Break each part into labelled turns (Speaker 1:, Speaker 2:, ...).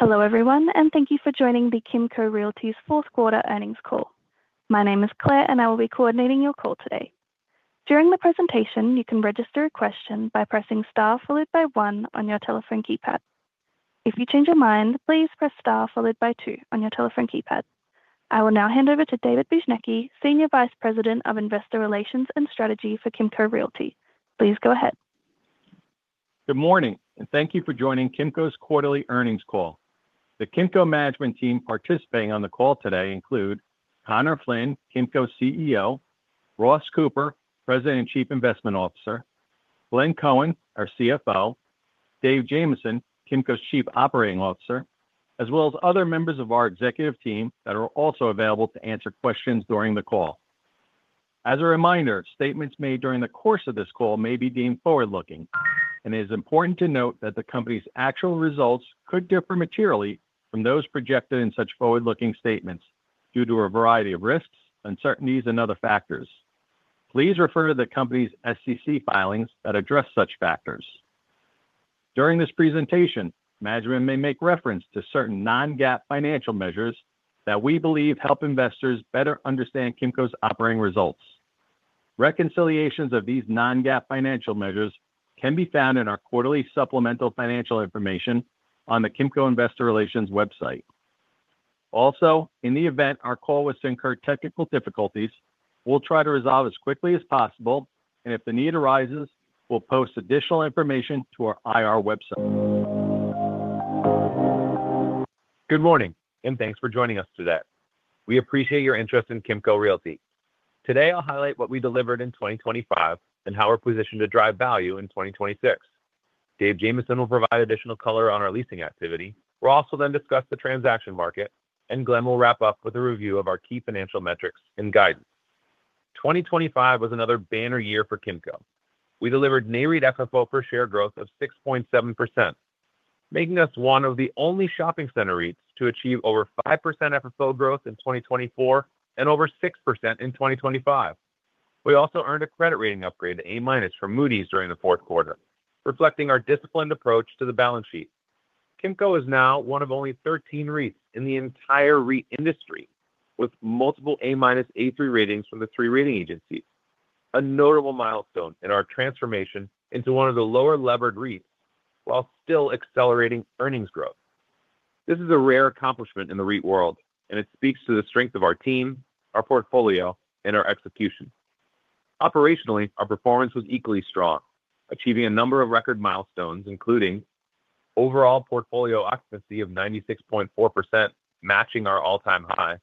Speaker 1: Hello, everyone, and thank you for joining the Kimco Realty's Fourth Quarter Earnings Call. My name is Claire, and I will be coordinating your call today. During the presentation, you can register a question by pressing Star followed by one on your telephone keypad. If you change your mind, please press Star followed by two on your telephone keypad. I will now hand over to David Bujnicki, Senior Vice President of Investor Relations and Strategy for Kimco Realty. Please go ahead.
Speaker 2: Good morning, and thank you for joining Kimco's quarterly earnings call. The Kimco management team participating on the call today include: Conor Flynn, Kimco's CEO; Ross Cooper, President and Chief Investment Officer; Glenn Cohen, our CFO; Dave Jamieson, Kimco's Chief Operating Officer, as well as other members of our executive team that are also available to answer questions during the call. As a reminder, statements made during the course of this call may be deemed forward-looking, and it is important to note that the company's actual results could differ materially from those projected in such forward-looking statements due to a variety of risks, uncertainties, and other factors. Please refer to the company's SEC filings that address such factors. During this presentation, management may make reference to certain non-GAAP financial measures that we believe help investors better understand Kimco's operating results. Reconciliations of these non-GAAP financial measures can be found in our quarterly supplemental financial information on the Kimco Investor Relations website. Also, in the event our call was to incur technical difficulties, we'll try to resolve as quickly as possible, and if the need arises, we'll post additional information to our IR website.
Speaker 3: Good morning, and thanks for joining us today. We appreciate your interest in Kimco Realty. Today, I'll highlight what we delivered in 2025 and how we're positioned to drive value in 2026. Dave Jamieson will provide additional color on our leasing activity. We'll also then discuss the transaction market, and Glenn will wrap up with a review of our key financial metrics and guidance. 2025 was another banner year for Kimco. We delivered NAREIT FFO per share growth of 6.7%, making us one of the only shopping center REITs to achieve over 5% FFO growth in 2024 and over 6% in 2025. We also earned a credit rating upgrade to A-minus from Moody's during the fourth quarter, reflecting our disciplined approach to the balance sheet. Kimco is now one of only 13 REITs in the entire REIT industry, with multiple A-minus, A3 ratings from the three rating agencies, a notable milestone in our transformation into one of the lower-levered REITs while still accelerating earnings growth. This is a rare accomplishment in the REIT world, and it speaks to the strength of our team, our portfolio, and our execution. Operationally, our performance was equally strong, achieving a number of record milestones, including overall portfolio occupancy of 96.4%, matching our all-time high,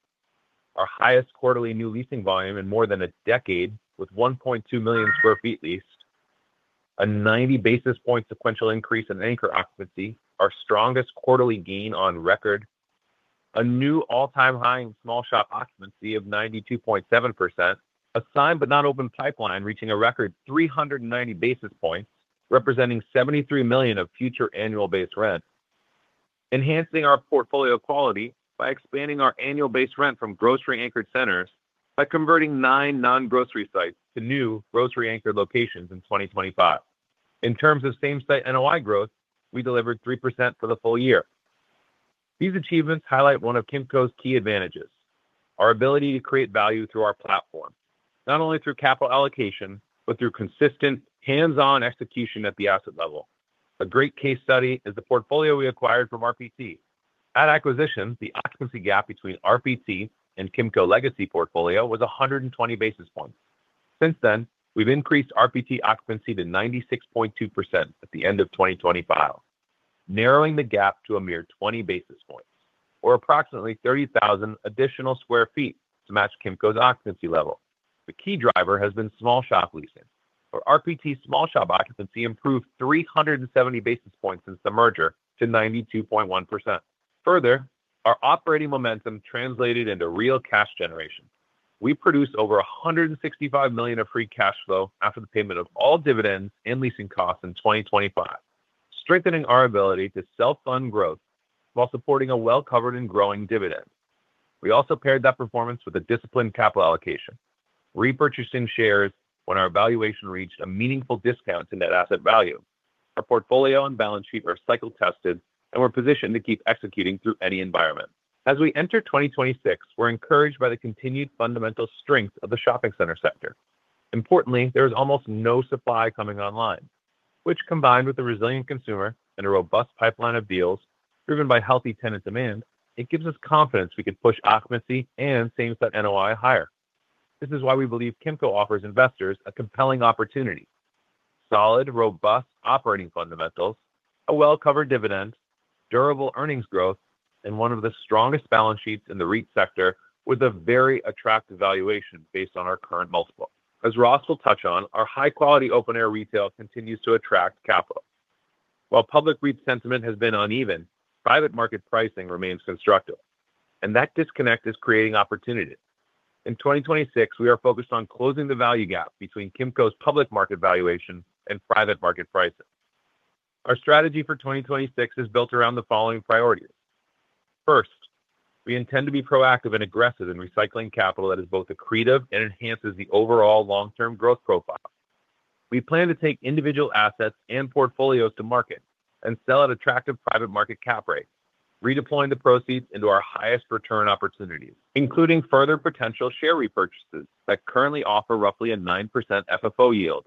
Speaker 3: our highest quarterly new leasing volume in more than a decade with 1.2 million sq ft leased, a 90 basis point sequential increase in anchor occupancy, our strongest quarterly gain on record, a new all-time high in small shop occupancy of 92.7%, a signed but not open pipeline, reaching a record 390 basis points, representing $73 million of future annual base rent, enhancing our portfolio quality by expanding our annual base rent from grocery-anchored centers by converting nine non-grocery sites to new grocery-anchored locations in 2025. In terms of same-site NOI growth, we delivered 3% for the full year. These achievements highlight one of Kimco's key advantages, our ability to create value through our platform, not only through capital allocation, but through consistent, hands-on execution at the asset level. A great case study is the portfolio we acquired from RPT. At acquisition, the occupancy gap between RPT and Kimco legacy portfolio was 120 basis points. Since then, we've increased RPT occupancy to 96.2% at the end of 2025, narrowing the gap to a mere 20 basis points or approximately 30,000 additional sq ft to match Kimco's occupancy level. The key driver has been small shop leasing, where RPT small shop occupancy improved 370 basis points since the merger to 92.1%. Further, our operating momentum translated into real cash generation. We produced over $165 million of free cash flow after the payment of all dividends and leasing costs in 2025, strengthening our ability to self-fund growth while supporting a well-covered and growing dividend. We also paired that performance with a disciplined capital allocation, repurchasing shares when our valuation reached a meaningful discount to net asset value. Our portfolio and balance sheet are cycle-tested, and we're positioned to keep executing through any environment. As we enter 2026, we're encouraged by the continued fundamental strength of the shopping center sector. Importantly, there is almost no supply coming online, which, combined with a resilient consumer and a robust pipeline of deals driven by healthy tenant demand, it gives us confidence we can push occupancy and same-site NOI higher. This is why we believe Kimco offers investors a compelling opportunity, solid, robust operating fundamentals, a well-covered dividend, durable earnings growth, and one of the strongest balance sheets in the REIT sector with a very attractive valuation based on our current multiple. As Ross will touch on, our high-quality open-air retail continues to attract capital. While public REIT sentiment has been uneven, private market pricing remains constructive, and that disconnect is creating opportunities. In 2026, we are focused on closing the value gap between Kimco's public market valuation and private market pricing. Our strategy for 2026 is built around the following priorities. First, we intend to be proactive and aggressive in recycling capital that is both accretive and enhances the overall long-term growth profile. We plan to take individual assets and portfolios to market and sell at attractive private market cap rates, redeploying the proceeds into our highest return opportunities, including further potential share repurchases that currently offer roughly a 9% FFO yield.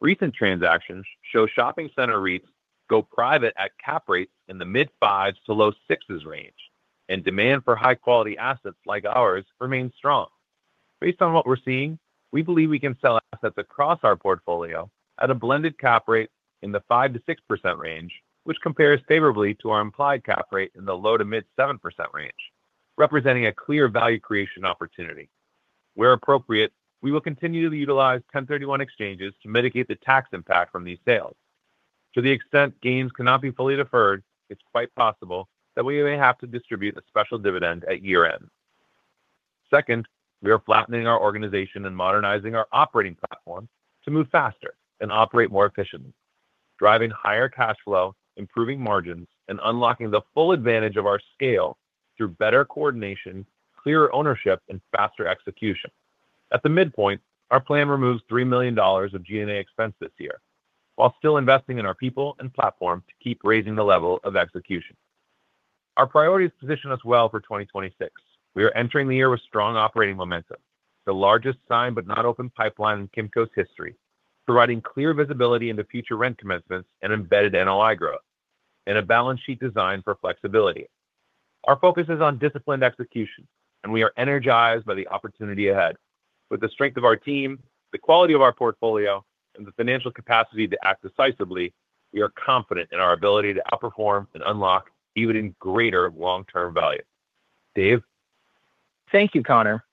Speaker 3: Recent transactions show shopping center REITs go private at cap rates in the mid-5s to low-6s range, and demand for high-quality assets like ours remains strong. Based on what we're seeing, we believe we can sell assets across our portfolio at a blended cap rate in the 5%-6% range, which compares favorably to our implied cap rate in the low- to mid-7% range, representing a clear value creation opportunity. Where appropriate, we will continue to utilize 1031 exchanges to mitigate the tax impact from these sales. To the extent gains cannot be fully deferred, it's quite possible that we may have to distribute a special dividend at year-end. Second, we are flattening our organization and modernizing our operating platform to move faster and operate more efficiently, driving higher cash flow, improving margins, and unlocking the full advantage of our scale through better coordination, clearer ownership, and faster execution. At the midpoint, our plan removes $3 million of G&A expense this year, while still investing in our people and platform to keep raising the level of execution. Our priorities position us well for 2026. We are entering the year with strong operating momentum, the largest signed but not open pipeline in Kimco's history, providing clear visibility into future rent commencements and embedded NOI growth, and a balance sheet designed for flexibility. Our focus is on disciplined execution, and we are energized by the opportunity ahead. With the strength of our team, the quality of our portfolio, and the financial capacity to act decisively, we are confident in our ability to outperform and unlock even greater long-term value. Dave?
Speaker 4: Thank you, Conor.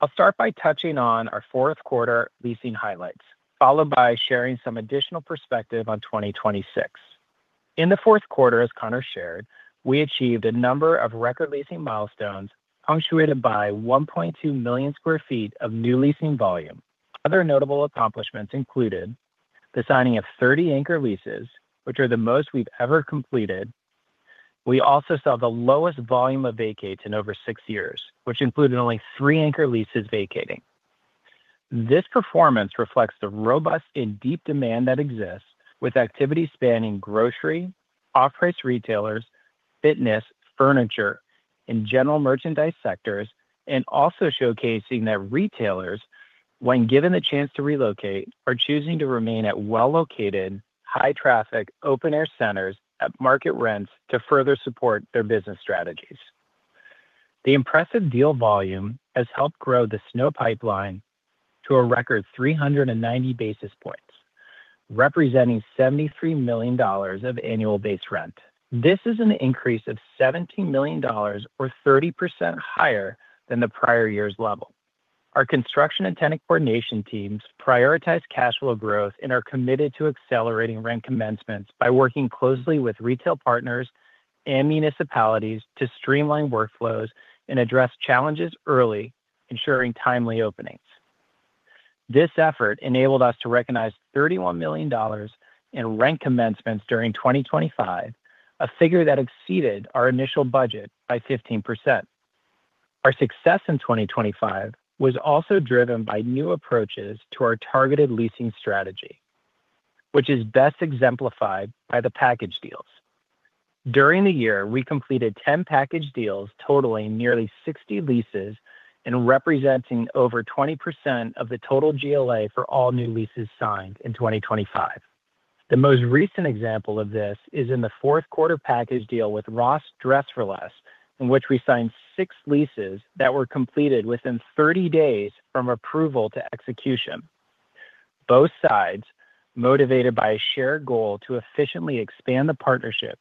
Speaker 4: I'll start by touching on our fourth quarter leasing highlights, followed by sharing some additional perspective on 2026. In the fourth quarter, as Conor shared, we achieved a number of record leasing milestones, punctuated by 1.2 million sq ft of new leasing volume. Other notable accomplishments included the signing of 30 anchor leases, which are the most we've ever completed. We also saw the lowest volume of vacates in over six years, which included only 3 anchor leases vacating. This performance reflects the robust and deep demand that exists, with activity spanning grocery, off-price retailers, fitness, furniture, and general merchandise sectors, and also showcasing that retailers, when given the chance to relocate, are choosing to remain at well-located, high-traffic, open-air centers at market rents to further support their business strategies. The impressive deal volume has helped grow the SSNOI pipeline to a record 390 basis points, representing $73 million of annual base rent. This is an increase of $17 million or 30% higher than the prior year's level. Our construction and tenant coordination teams prioritize cash flow growth and are committed to accelerating rent commencements by working closely with retail partners and municipalities to streamline workflows and address challenges early, ensuring timely openings. This effort enabled us to recognize $31 million in rent commencements during 2025, a figure that exceeded our initial budget by 15%. Our success in 2025 was also driven by new approaches to our targeted leasing strategy, which is best exemplified by the package deals. During the year, we completed 10 package deals, totaling nearly 60 leases and representing over 20% of the total GLA for all new leases signed in 2025. The most recent example of this is in the fourth quarter package deal with Ross Dress for Less, in which we signed 6 leases that were completed within 30 days from approval to execution. Both sides, motivated by a shared goal to efficiently expand the partnership,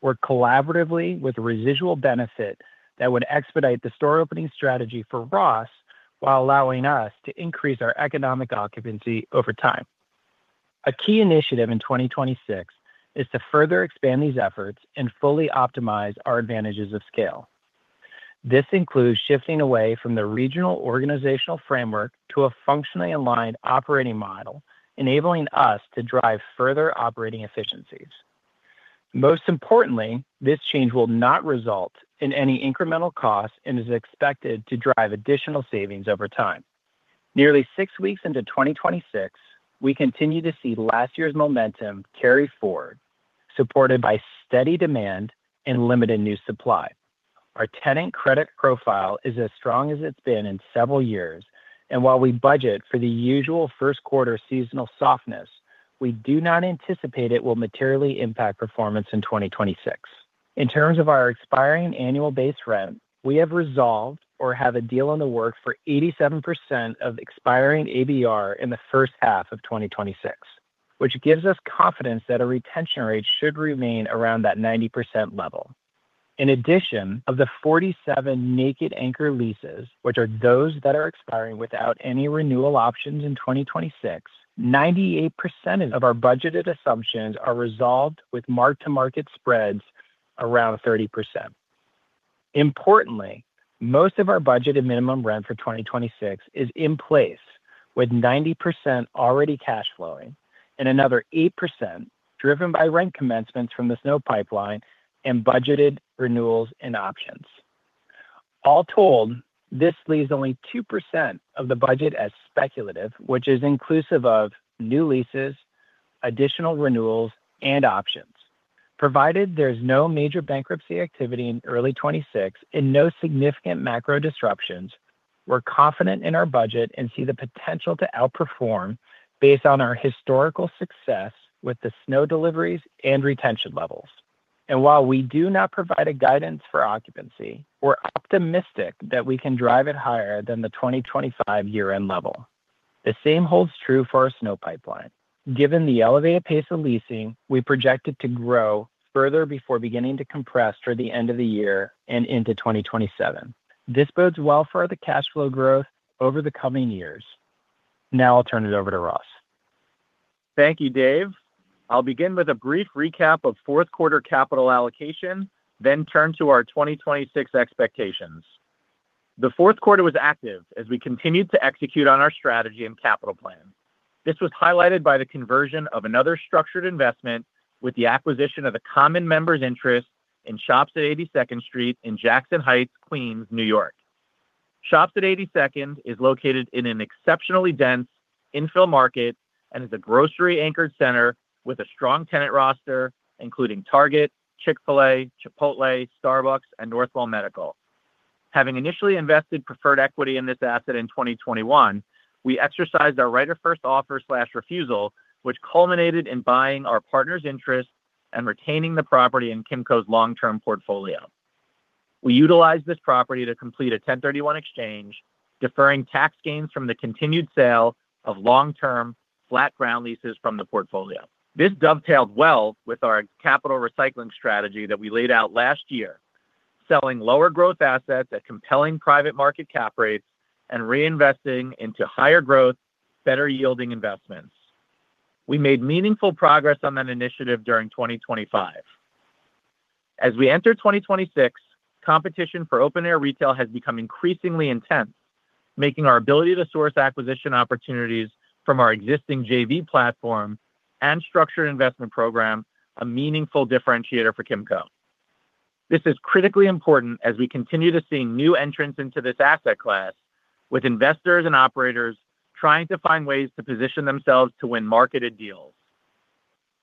Speaker 4: worked collaboratively with a residual benefit that would expedite the store opening strategy for Ross, while allowing us to increase our economic occupancy over time. A key initiative in 2026 is to further expand these efforts and fully optimize our advantages of scale. This includes shifting away from the regional organizational framework to a functionally aligned operating model, enabling us to drive further operating efficiencies. Most importantly, this change will not result in any incremental costs and is expected to drive additional savings over time. Nearly six weeks into 2026, we continue to see last year's momentum carry forward, supported by steady demand and limited new supply. Our tenant credit profile is as strong as it's been in several years, and while we budget for the usual first quarter seasonal softness, we do not anticipate it will materially impact performance in 2026. In terms of our expiring annual base rent, we have resolved or have a deal in the works for 87% of expiring ABR in the first half of 2026, which gives us confidence that our retention rate should remain around that 90% level. In addition, of the 47 naked anchor leases, which are those that are expiring without any renewal options in 2026, 98% of our budgeted assumptions are resolved with mark-to-market spreads around 30%. Importantly, most of our budgeted minimum rent for 2026 is in place, with 90% already cash flowing and another 8% driven by rent commencements from the SNO pipeline and budgeted renewals and options. All told, this leaves only 2% of the budget as speculative, which is inclusive of new leases, additional renewals, and options. Provided there's no major bankruptcy activity in early 2026 and no significant macro disruptions, we're confident in our budget and see the potential to outperform based on our historical success with the SNO deliveries and retention levels. While we do not provide a guidance for occupancy, we're optimistic that we can drive it higher than the 2025 year-end level. The same holds true for our SNO pipeline. Given the elevated pace of leasing, we project it to grow further before beginning to compress toward the end of the year and into 2027. This bodes well for the cash flow growth over the coming years. Now I'll turn it over to Ross.
Speaker 5: Thank you, Dave. I'll begin with a brief recap of fourth quarter capital allocation, then turn to our 2026 expectations. The fourth quarter was active as we continued to execute on our strategy and capital plan. This was highlighted by the conversion of another structured investment with the acquisition of the common members' interest in Shops at 82nd Street in Jackson Heights, Queens, New York. Shops at 82nd Street is located in an exceptionally dense infill market and is a grocery-anchored center with a strong tenant roster, including Target, Chick-fil-A, Chipotle, Starbucks, and Northwell Medical. Having initially invested preferred equity in this asset in 2021, we exercised our right of first offer/refusal, which culminated in buying our partner's interest and retaining the property in Kimco's long-term portfolio. We utilized this property to complete a 1031 exchange, deferring tax gains from the continued sale of long-term flat ground leases from the portfolio. This dovetailed well with our capital recycling strategy that we laid out last year, selling lower growth assets at compelling private market cap rates and reinvesting into higher growth, better yielding investments. We made meaningful progress on that initiative during 2025. As we enter 2026, competition for open-air retail has become increasingly intense, making our ability to source acquisition opportunities from our existing JV platform and structured investment program a meaningful differentiator for Kimco. This is critically important as we continue to see new entrants into this asset class, with investors and operators trying to find ways to position themselves to win marketed deals.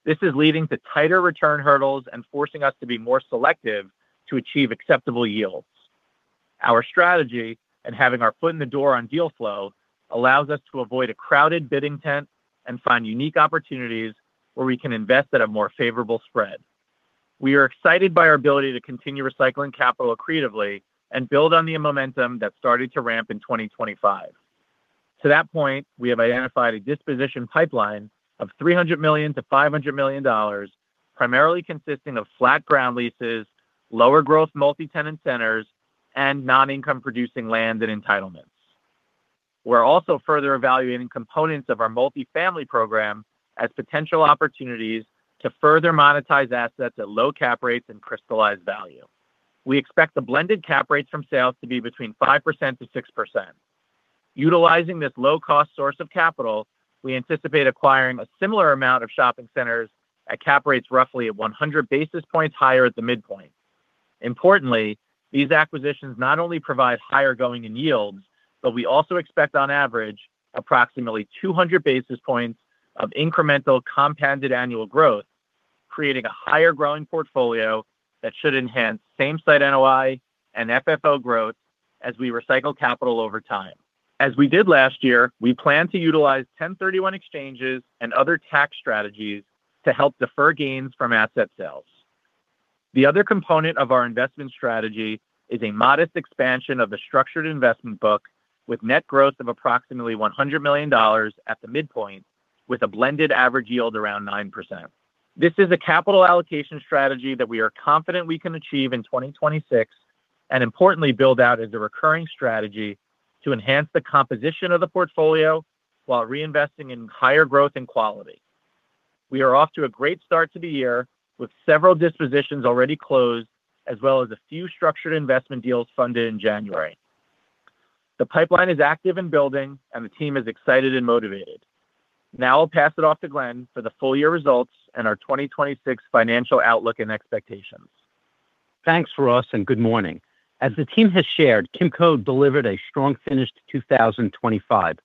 Speaker 5: This is leading to tighter return hurdles and forcing us to be more selective to achieve acceptable yields. Our strategy and having our foot in the door on deal flow allows us to avoid a crowded bidding tent and find unique opportunities where we can invest at a more favorable spread. We are excited by our ability to continue recycling capital creatively and build on the momentum that started to ramp in 2025. To that point, we have identified a disposition pipeline of $300 million-$500 million, primarily consisting of flat ground leases, lower growth multi-tenant centers, and non-income producing land and entitlements. We're also further evaluating components of our multifamily program as potential opportunities to further monetize assets at low cap rates and crystallize value. We expect the blended cap rates from sales to be between 5%-6%. Utilizing this low-cost source of capital, we anticipate acquiring a similar amount of shopping centers at cap rates roughly at 100 basis points higher at the midpoint. Importantly, these acquisitions not only provide higher going in yields, but we also expect, on average, approximately 200 basis points of incremental compounded annual growth, creating a higher growing portfolio that should enhance same-site NOI and FFO growth as we recycle capital over time. As we did last year, we plan to utilize 1031 exchanges and other tax strategies to help defer gains from asset sales. The other component of our investment strategy is a modest expansion of the structured investment book, with net growth of approximately $100 million at the midpoint, with a blended average yield around 9%. This is a capital allocation strategy that we are confident we can achieve in 2026, and importantly, build out as a recurring strategy to enhance the composition of the portfolio while reinvesting in higher growth and quality. We are off to a great start to the year, with several dispositions already closed, as well as a few structured investment deals funded in January. The pipeline is active and building, and the team is excited and motivated. Now I'll pass it off to Glenn for the full year results and our 2026 financial outlook and expectations.
Speaker 6: Thanks, Ross, and good morning. As the team has shared, Kimco delivered a strong finish to 2025,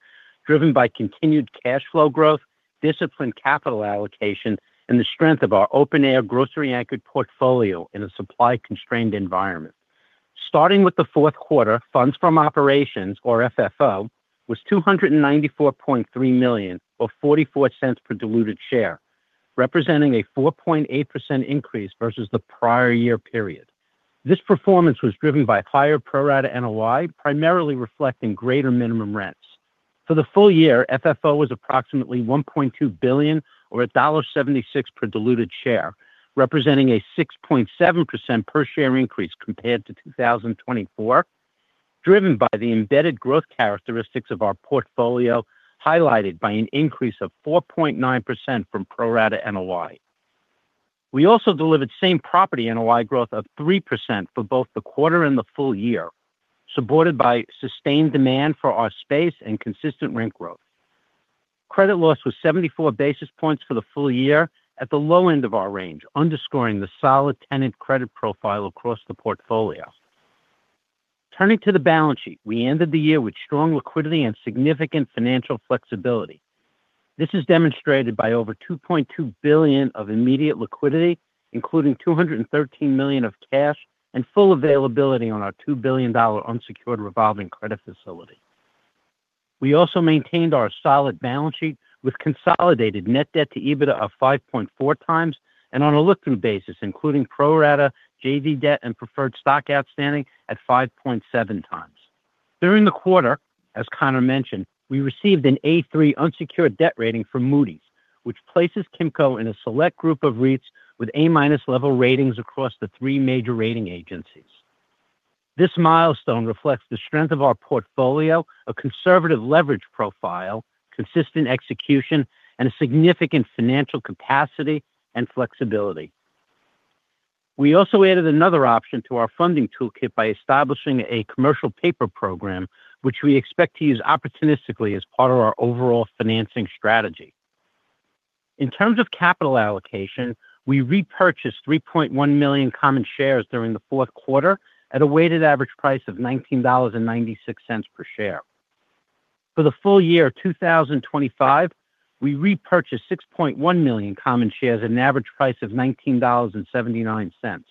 Speaker 6: driven by continued cash flow growth, disciplined capital allocation, and the strength of our open-air, grocery-anchored portfolio in a supply-constrained environment. Starting with the fourth quarter, funds from operations, or FFO, was $294.3 million, or $0.44 per diluted share, representing a 4.8% increase versus the prior year period. This performance was driven by higher pro rata NOI, primarily reflecting greater minimum rents. For the full year, FFO was approximately $1.2 billion or $1.76 per diluted share, representing a 6.7% per share increase compared to 2024, driven by the embedded growth characteristics of our portfolio, highlighted by an increase of 4.9% from pro rata NOI.... We also delivered same-property NOI growth of 3% for both the quarter and the full year, supported by sustained demand for our space and consistent rent growth. Credit loss was 74 basis points for the full year at the low end of our range, underscoring the solid tenant credit profile across the portfolio. Turning to the balance sheet, we ended the year with strong liquidity and significant financial flexibility. This is demonstrated by over $2.2 billion of immediate liquidity, including $213 million of cash and full availability on our $2 billion unsecured revolving credit facility. We also maintained our solid balance sheet with consolidated net debt to EBITDA of 5.4x, and on a look-through basis, including pro rata JV debt and preferred stock outstanding at 5.7x. During the quarter, as Conor mentioned, we received an A3 unsecured debt rating from Moody's, which places Kimco in a select group of REITs with A-minus level ratings across the three major rating agencies. This milestone reflects the strength of our portfolio, a conservative leverage profile, consistent execution, and a significant financial capacity and flexibility. We also added another option to our funding toolkit by establishing a commercial paper program, which we expect to use opportunistically as part of our overall financing strategy. In terms of capital allocation, we repurchased $3.1 million common shares during the fourth quarter at a weighted average price of $19.96 per share. For the full year of 2025, we repurchased $6.1 million common shares at an average price of $19.79.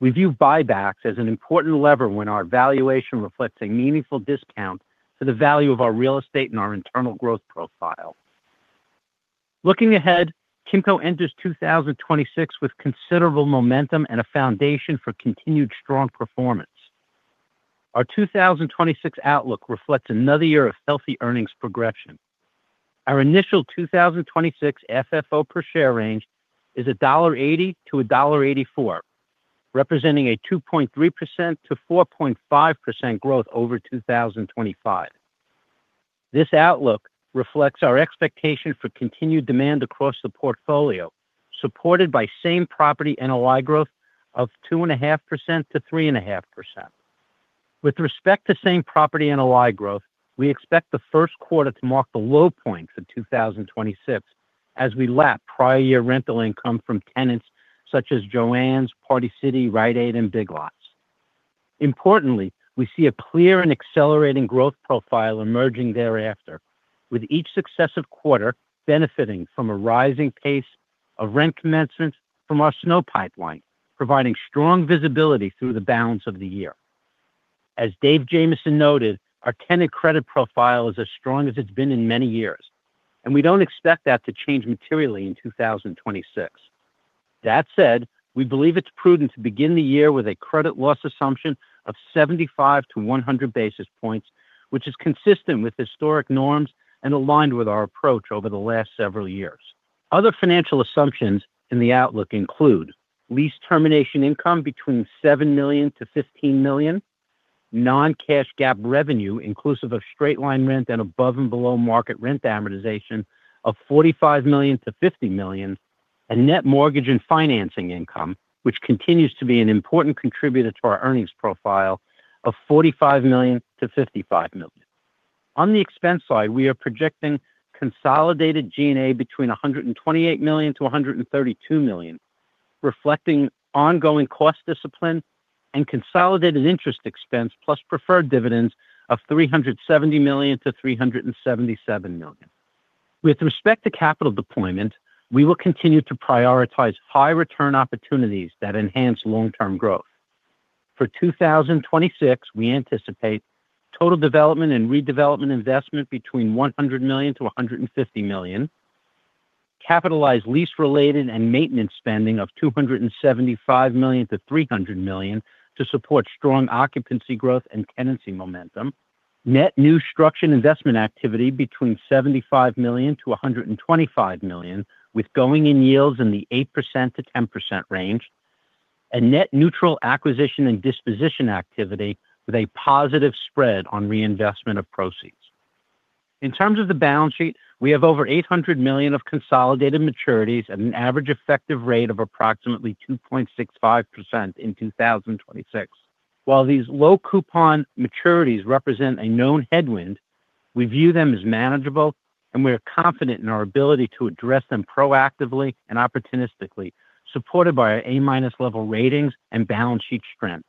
Speaker 6: We view buybacks as an important lever when our valuation reflects a meaningful discount to the value of our real estate and our internal growth profile. Looking ahead, Kimco enters 2026 with considerable momentum and a foundation for continued strong performance. Our 2026 outlook reflects another year of healthy earnings progression. Our initial 2026 FFO per share range is $1.80-$1.84, representing a 2.3%-4.5% growth over 2025. This outlook reflects our expectation for continued demand across the portfolio, supported by same-property NOI growth of 2.5%-3.5%. With respect to same-property NOI growth, we expect the first quarter to mark the low point for 2026 as we lap prior year rental income from tenants such as Jo-Ann, Party City, Rite Aid, and Big Lots. Importantly, we see a clear and accelerating growth profile emerging thereafter, with each successive quarter benefiting from a rising pace of rent commencement from our SNO pipeline, providing strong visibility through the balance of the year. As Dave Jamieson noted, our tenant credit profile is as strong as it's been in many years, and we don't expect that to change materially in 2026. That said, we believe it's prudent to begin the year with a credit loss assumption of 75-100 basis points, which is consistent with historic norms and aligned with our approach over the last several years. Other financial assumptions in the outlook include lease termination income between $7 million-$15 million, non-cash GAAP revenue, inclusive of straight-line rent and above and below market rent amortization of $45 million-$50 million, and net mortgage and financing income, which continues to be an important contributor to our earnings profile of $45 million-$55 million. On the expense side, we are projecting consolidated G&A between $128 million-$132 million, reflecting ongoing cost discipline and consolidated interest expense, plus preferred dividends of $370 million-$377 million. With respect to capital deployment, we will continue to prioritize high return opportunities that enhance long-term growth. For 2026, we anticipate total development and redevelopment investment between $100 million-$150 million, capitalized lease-related and maintenance spending of $275 million-$300 million to support strong occupancy growth and tenancy momentum, net new structure and investment activity between $75 million-$125 million, with going-in yields in the 8%-10% range, a net neutral acquisition and disposition activity with a positive spread on reinvestment of proceeds. In terms of the balance sheet, we have over $800 million of consolidated maturities at an average effective rate of approximately 2.65% in 2026. While these low coupon maturities represent a known headwind, we view them as manageable, and we are confident in our ability to address them proactively and opportunistically, supported by our A-minus level ratings and balance sheet strength.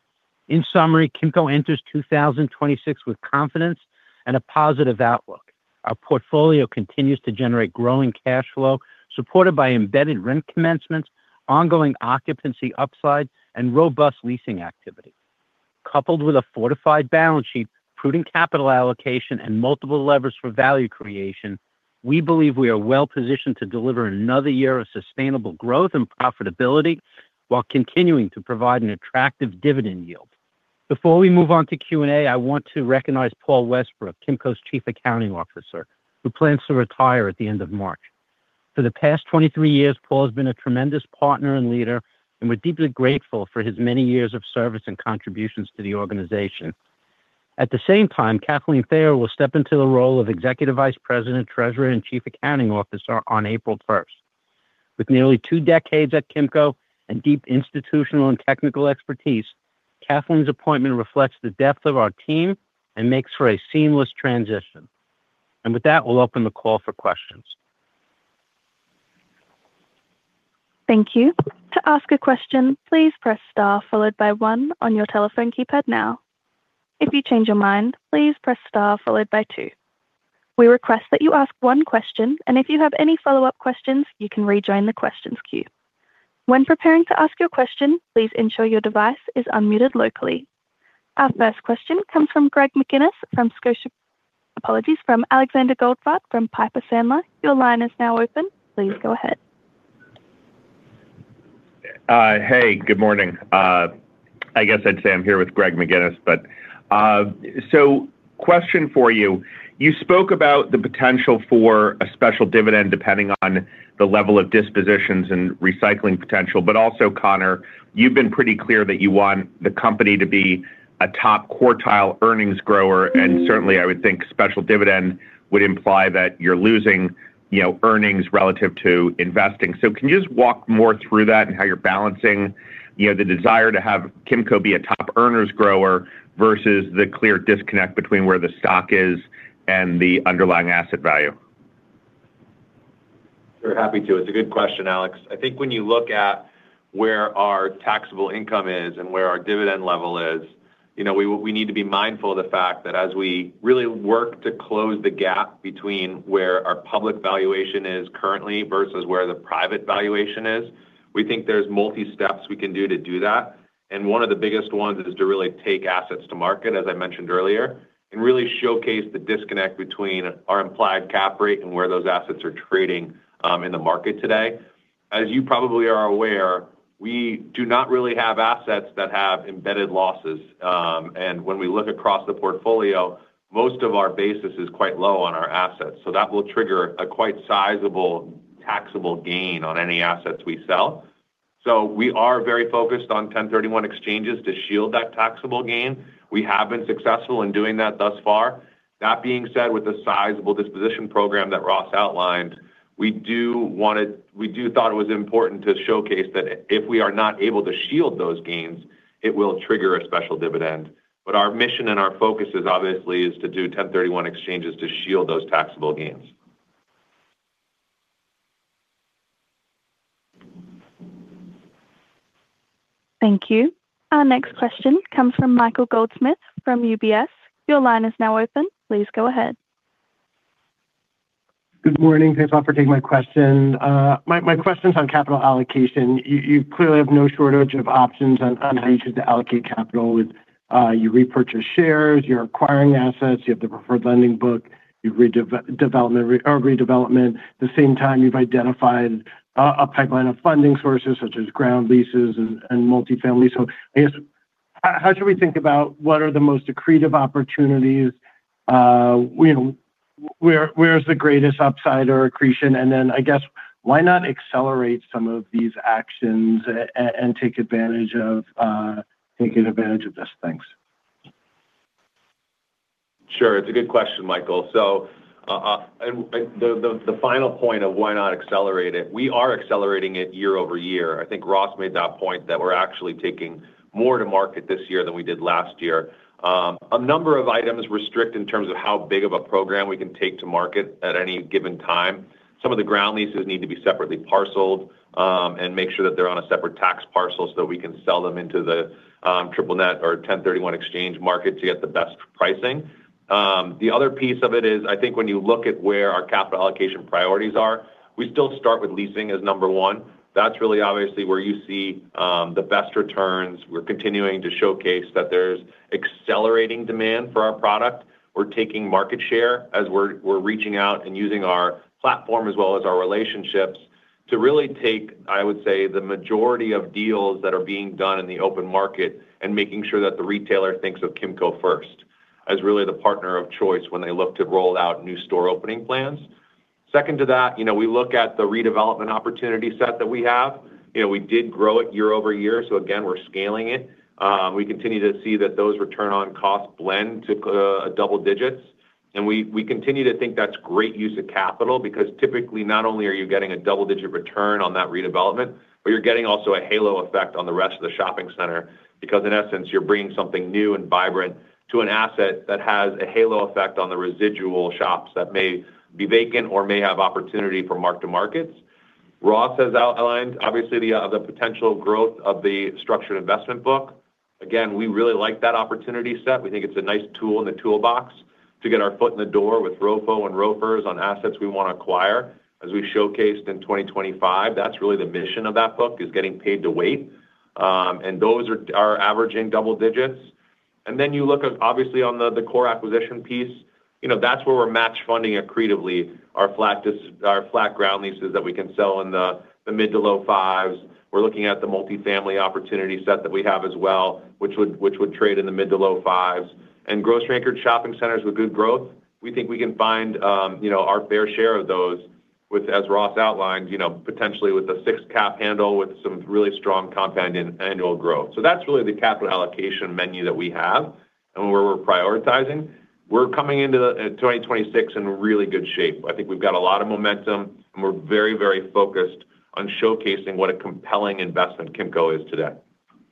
Speaker 6: In summary, Kimco enters 2026 with confidence and a positive outlook. Our portfolio continues to generate growing cash flow, supported by embedded rent commencements, ongoing occupancy upside, and robust leasing activity. Coupled with a fortified balance sheet, prudent capital allocation, and multiple levers for value creation, we believe we are well-positioned to deliver another year of sustainable growth and profitability while continuing to provide an attractive dividend yield. Before we move on to Q&A, I want to recognize Paul Westbrook, Kimco's Chief Accounting Officer, who plans to retire at the end of March. For the past 23 years, Paul has been a tremendous partner and leader, and we're deeply grateful for his many years of service and contributions to the organization. At the same time, Kathleen Thayer will step into the role of Executive Vice President, Treasurer, and Chief Accounting Officer on April 1st. With nearly two decades at Kimco and deep institutional and technical expertise, Kathleen's appointment reflects the depth of our team and makes for a seamless transition. And with that, we'll open the call for questions.
Speaker 1: Thank you. To ask a question, please press star followed by one on your telephone keypad now. If you change your mind, please press star followed by two. We request that you ask one question, and if you have any follow-up questions, you can rejoin the questions queue. When preparing to ask your question, please ensure your device is unmuted locally. Our first question comes from Greg McGinnis from Scotia - Apologies. From Alexander Goldfarb from Piper Sandler. Your line is now open. Please go ahead.
Speaker 7: Hey, good morning. I guess I'd say I'm here with Greg McGinnis, but, so question for you: You spoke about the potential for a special dividend depending on the level of dispositions and recycling potential, but also, Connor, you've been pretty clear that you want the company to be a top-quartile earnings grower, and certainly I would think special dividend would imply that you're losing, you know, earnings relative to investing. So can you just walk more through that and how you're balancing, you know, the desire to have Kimco be a top earners grower versus the clear disconnect between where the stock is and the underlying asset value?
Speaker 3: Sure. Happy to. It's a good question, Alex. I think when you look at where our taxable income is and where our dividend level is, you know, we need to be mindful of the fact that as we really work to close the gap between where our public valuation is currently versus where the private valuation is, we think there's multi-steps we can do to do that. And one of the biggest ones is to really take assets to market, as I mentioned earlier, and really showcase the disconnect between our implied cap rate and where those assets are trading in the market today. As you probably are aware, we do not really have assets that have embedded losses, and when we look across the portfolio, most of our basis is quite low on our assets, so that will trigger a quite sizable taxable gain on any assets we sell. So we are very focused on Ten thirty-one exchanges to shield that taxable gain. We have been successful in doing that thus far. That being said, with the sizable disposition program that Ross outlined, we thought it was important to showcase that if we are not able to shield those gains, it will trigger a special dividend. But our mission and our focus is obviously to do Ten thirty-one exchanges to shield those taxable gains.
Speaker 1: Thank you. Our next question comes from Michael Goldsmith from UBS. Your line is now open. Please go ahead.
Speaker 8: Good morning. Thanks a lot for taking my question. My question's on capital allocation. You clearly have no shortage of options on how you choose to allocate capital. With you repurchase shares, you're acquiring assets, you have the preferred lending book, you have redevelopment. At the same time, you've identified a pipeline of funding sources, such as ground leases and multifamily. So I guess, how should we think about what are the most accretive opportunities? Where's the greatest upside or accretion? And then I guess, why not accelerate some of these actions and take advantage of taking advantage of this? Thanks.
Speaker 3: Sure. It's a good question, Michael. So, the final point of why not accelerate it, we are accelerating it year over year. I think Ross made that point, that we're actually taking more to market this year than we did last year. A number of items restrict in terms of how big of a program we can take to market at any given time. Some of the ground leases need to be separately parceled, and make sure that they're on a separate tax parcel so we can sell them into the triple net or 1031 exchange market to get the best pricing. The other piece of it is, I think when you look at where our capital allocation priorities are, we still start with leasing as number one. That's really obviously where you see the best returns. We're continuing to showcase that there's accelerating demand for our product. We're taking market share as we're reaching out and using our platform as well as our relationships to really take, I would say, the majority of deals that are being done in the open market and making sure that the retailer thinks of Kimco first as really the partner of choice when they look to roll out new store opening plans. Second to that, you know, we look at the redevelopment opportunity set that we have. You know, we did grow it year-over-year, so again, we're scaling it. We continue to see that those return on costs blend to double digits. And we continue to think that's great use of capital because typically, not only are you getting a double-digit return on that redevelopment, but you're getting also a halo effect on the rest of the shopping center. Because in essence, you're bringing something new and vibrant to an asset that has a halo effect on the residual shops that may be vacant or may have opportunity for mark-to-markets. Ross has outlined obviously the potential growth of the structured investment book. Again, we really like that opportunity set. We think it's a nice tool in the toolbox to get our foot in the door with ROFO and ROFRs on assets we want to acquire. As we've showcased in 2025, that's really the mission of that book, is getting paid to wait, and those are averaging double digits. Then you look at, obviously on the core acquisition piece, you know, that's where we're match funding accretively. Our flat ground leases that we can sell in the mid- to low 5s. We're looking at the multifamily opportunity set that we have as well, which would trade in the mid- to low 5s. And grocery-anchored shopping centers with good growth, we think we can find, you know, our fair share of those. ... with, as Ross outlined, you know, potentially with a six cap handle with some really strong compound in annual growth. So that's really the capital allocation menu that we have and where we're prioritizing. We're coming into the 2026 in really good shape. I think we've got a lot of momentum, and we're very, very focused on showcasing what a compelling investment Kimco is today.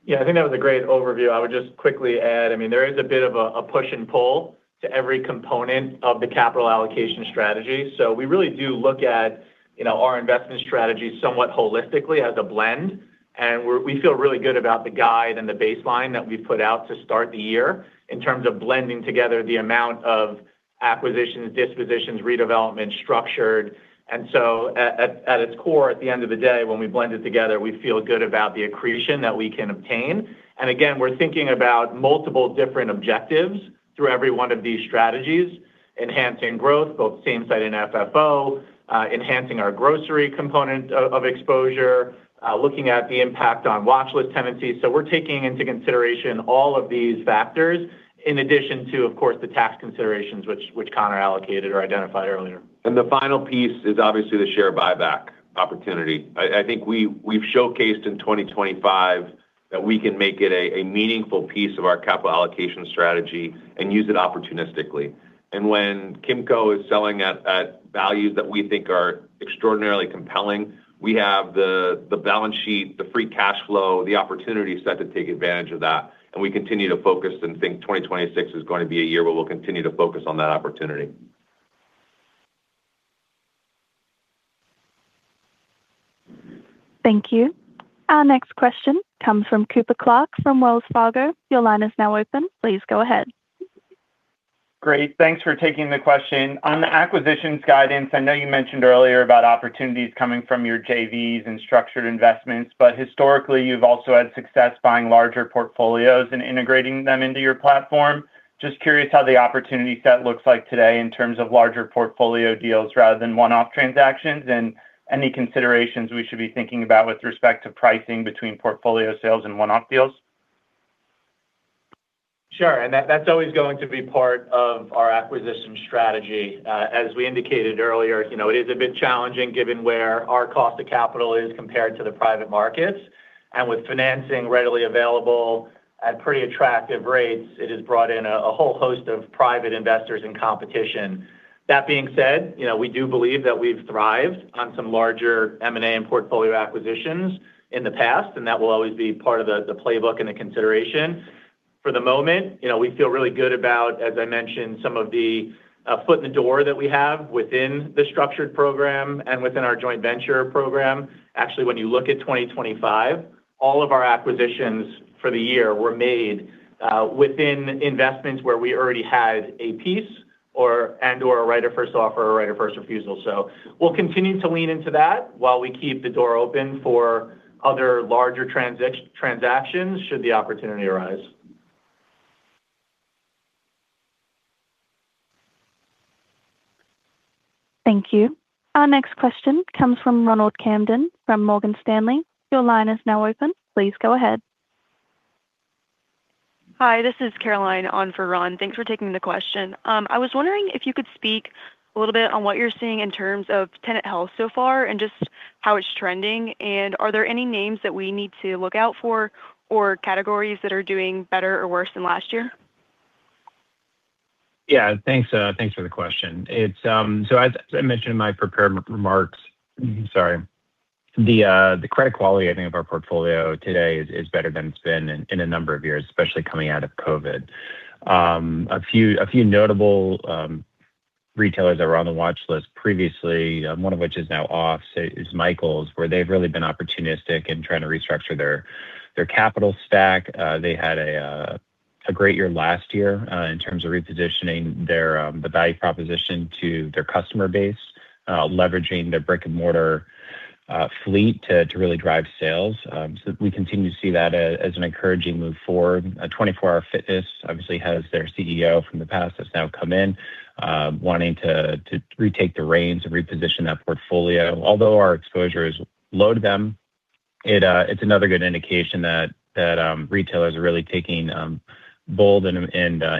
Speaker 5: Yeah, I think that was a great overview. I would just quickly add, I mean, there is a bit of a push and pull to every component of the capital allocation strategy. So we really do look at, you know, our investment strategy somewhat holistically as a blend, and we're we feel really good about the guide and the baseline that we've put out to start the year in terms of blending together the amount of acquisitions, dispositions, redevelopment, structured. And so at its core, at the end of the day, when we blend it together, we feel good about the accretion that we can obtain. And again, we're thinking about multiple different objectives through every one of these strategies, enhancing growth, both same-site and FFO, enhancing our grocery component of exposure, looking at the impact on watchlist tenancies. We're taking into consideration all of these factors, in addition to, of course, the tax considerations which Conor allocated or identified earlier.
Speaker 3: The final piece is obviously the share buyback opportunity. I think we've showcased in 2025 that we can make it a meaningful piece of our capital allocation strategy and use it opportunistically. And when Kimco is selling at values that we think are extraordinarily compelling, we have the balance sheet, the free cash flow, the opportunity set to take advantage of that, and we continue to focus and think 2026 is going to be a year where we'll continue to focus on that opportunity.
Speaker 1: Thank you. Our next question comes from Cooper Clark from Wells Fargo. Your line is now open. Please go ahead.
Speaker 9: Great, thanks for taking the question. On the acquisitions guidance, I know you mentioned earlier about opportunities coming from your JVs and structured investments, but historically, you've also had success buying larger portfolios and integrating them into your platform. Just curious how the opportunity set looks like today in terms of larger portfolio deals rather than one-off transactions, and any considerations we should be thinking about with respect to pricing between portfolio sales and one-off deals?
Speaker 5: Sure. And that, that's always going to be part of our acquisition strategy. As we indicated earlier, you know, it is a bit challenging given where our cost of capital is compared to the private markets. And with financing readily available at pretty attractive rates, it has brought in a whole host of private investors and competition. That being said, you know, we do believe that we've thrived on some larger M&A and portfolio acquisitions in the past, and that will always be part of the playbook and the consideration. For the moment, you know, we feel really good about, as I mentioned, some of the foot in the door that we have within the structured program and within our joint venture program. Actually, when you look at 2025, all of our acquisitions for the year were made within investments where we already had a piece or and/or a right of first offer or right of first refusal. So we'll continue to lean into that while we keep the door open for other larger transactions, should the opportunity arise.
Speaker 1: Thank you. Our next question comes from Ronald Kamdem, from Morgan Stanley. Your line is now open. Please go ahead.
Speaker 10: Hi, this is Caroline on for Ron. Thanks for taking the question. I was wondering if you could speak a little bit on what you're seeing in terms of tenant health so far and just how it's trending. Are there any names that we need to look out for or categories that are doing better or worse than last year?
Speaker 4: Yeah. Thanks, thanks for the question. It's so as I mentioned in my prepared remarks, sorry, the credit quality, I think of our portfolio today is better than it's been in a number of years, especially coming out of COVID. A few notable retailers that were on the watchlist previously, one of which is now off, say, is Michaels, where they've really been opportunistic in trying to restructure their capital stack. They had a great year last year in terms of repositioning their the value proposition to their customer base, leveraging their brick-and-mortar fleet to really drive sales. So we continue to see that as an encouraging move forward. 24 Hour Fitness obviously has their CEO from the past that's now come in, wanting to retake the reins and reposition that portfolio. Although our exposure is low to them, it, it's another good indication that retailers are really taking bold and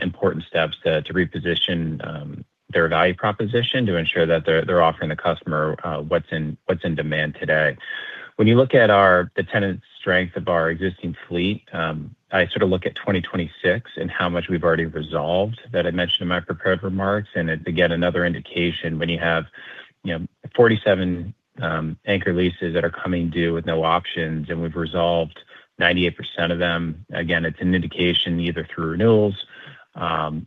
Speaker 4: important steps to reposition their value proposition to ensure that they're offering the customer what's in demand today. When you look at our the tenant strength of our existing fleet, I sort of look at 2026 and how much we've already resolved that I mentioned in my prepared remarks. Again, another indication when you have, you know, 47 anchor leases that are coming due with no options, and we've resolved 98% of them, again, it's an indication, either through renewals,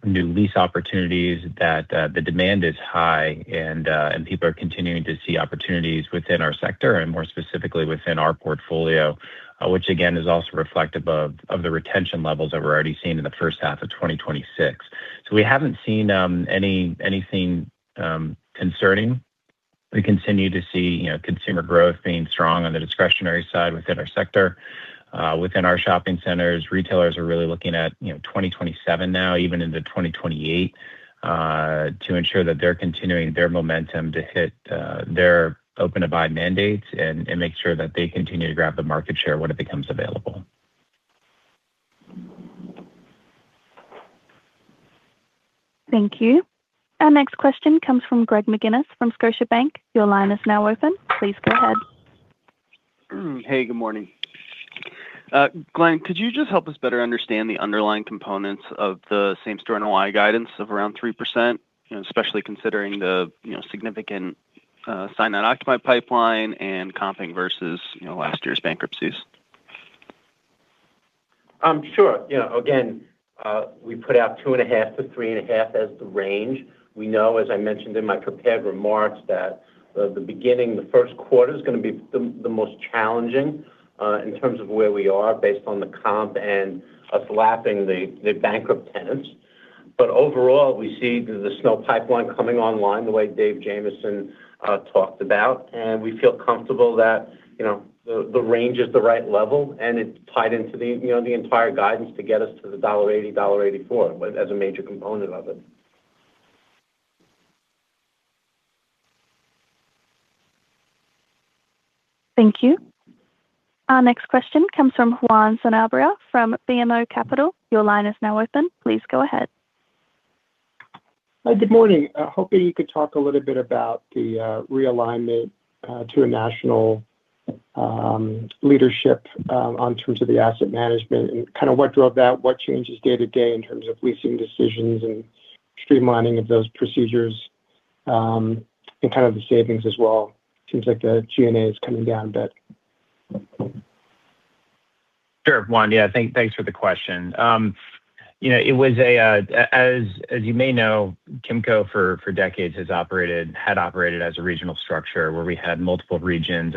Speaker 4: new lease opportunities, that the demand is high, and and people are continuing to see opportunities within our sector and more specifically within our portfolio, which again, is also reflective of the retention levels that we're already seeing in the first half of 2026. So we haven't seen anything concerning. We continue to see, you know, consumer growth being strong on the discretionary side within our sector. Within our shopping centers, retailers are really looking at, you know, 2027 now, even into 2028, to ensure that they're continuing their momentum to hit their open-to-buy mandates and, and make sure that they continue to grab the market share when it becomes available.
Speaker 1: Thank you. Our next question comes from Greg McGinnis from Scotia Bank. Your line is now open. Please go ahead.
Speaker 11: Hey, good morning. Glenn, could you just help us better understand the underlying components of the same-store NOI guidance of around 3%, you know, especially considering the, you know, significant signed not occupied pipeline and comping versus, you know, last year's bankruptcies?
Speaker 6: Sure. Yeah, again, we put out 2.5-3.5 as the range. We know, as I mentioned in my prepared remarks, that the beginning, the first quarter is going to be the most challenging in terms of where we are based on the comp and us lapping the bankrupt tenants. But overall, we see the SNO pipeline coming online, the way David Jamieson talked about, and we feel comfortable that, you know, the range is the right level, and it's tied into the, you know, the entire guidance to get us to the $1.80-$1.84 as a major component of it.
Speaker 1: Thank you. Our next question comes from Juan Sanabria from BMO Capital. Your line is now open. Please go ahead.
Speaker 12: Hi, good morning. Hoping you could talk a little bit about the realignment to a national leadership in terms of the asset management, and kind of what drove that, what changes day-to-day in terms of leasing decisions and streamlining of those procedures, and kind of the savings as well. Seems like the G&A is coming down a bit.
Speaker 4: Sure. Juan, yeah, thank, thanks for the question. You know, it was a, as you may know, Kimco for decades has operated—had operated as a regional structure, where we had multiple regions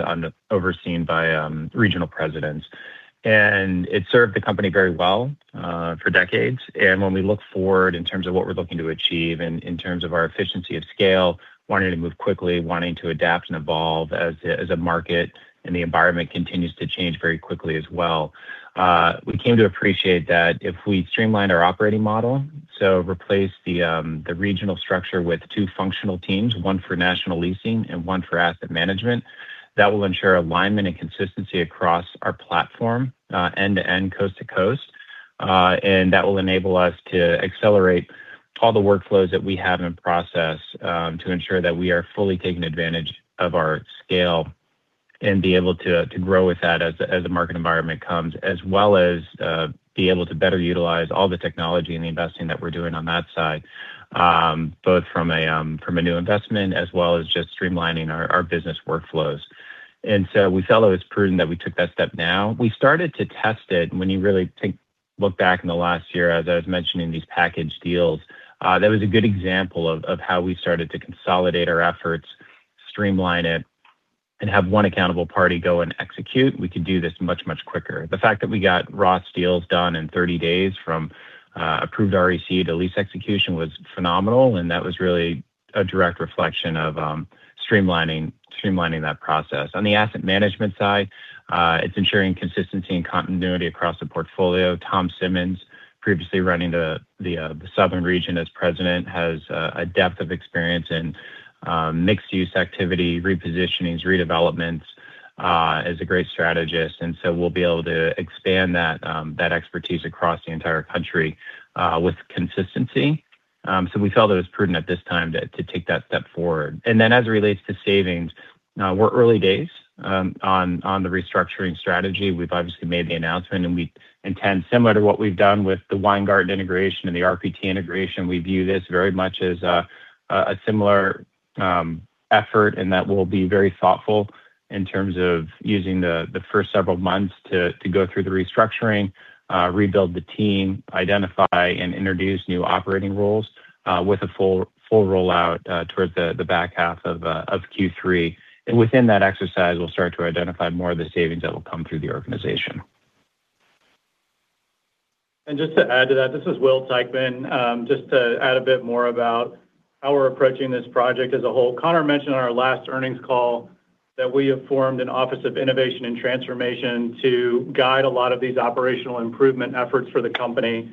Speaker 4: overseen by regional presidents. And it served the company very well for decades. And when we look forward in terms of what we're looking to achieve and in terms of our efficiency of scale, wanting to move quickly, wanting to adapt and evolve as a market, and the environment continues to change very quickly as well. We came to appreciate that if we streamlined our operating model, so replace the regional structure with two functional teams, one for national leasing and one for asset management, that will ensure alignment and consistency across our platform end-to-end, coast to coast. And that will enable us to accelerate all the workflows that we have in process, to ensure that we are fully taking advantage of our scale and be able to grow with that as the market environment comes. As well as, be able to better utilize all the technology and the investing that we're doing on that side, both from a new investment as well as just streamlining our business workflows. And so we felt it was prudent that we took that step now. We started to test it. When you really take a look back in the last year, as I was mentioning, these package deals, that was a good example of how we started to consolidate our efforts, streamline it, and have one accountable party go and execute. We could do this much, much quicker. The fact that we got raw deals done in 30 days from approved REC to lease execution was phenomenal, and that was really a direct reflection of streamlining, streamlining that process. On the asset management side, it's ensuring consistency and continuity across the portfolio. Tom Simmons, previously running the Southern Region as President, has a depth of experience in mixed-use activity, repositionings, redevelopments, is a great strategist, and so we'll be able to expand that expertise across the entire country with consistency. So we felt that it was prudent at this time to take that step forward. And then as it relates to savings, we're early days on the restructuring strategy. We've obviously made the announcement, and we intend, similar to what we've done with the Weingarten integration and the RPT integration, we view this very much as a similar effort, and that we'll be very thoughtful in terms of using the first several months to go through the restructuring, rebuild the team, identify and introduce new operating roles, with a full rollout towards the back half of Q3. And within that exercise, we'll start to identify more of the savings that will come through the organization.
Speaker 13: And just to add to that, this is Will Teichman. Just to add a bit more about how we're approaching this project as a whole. Conor mentioned on our last earnings call that we have formed an Office of Innovation and Transformation to guide a lot of these operational improvement efforts for the company.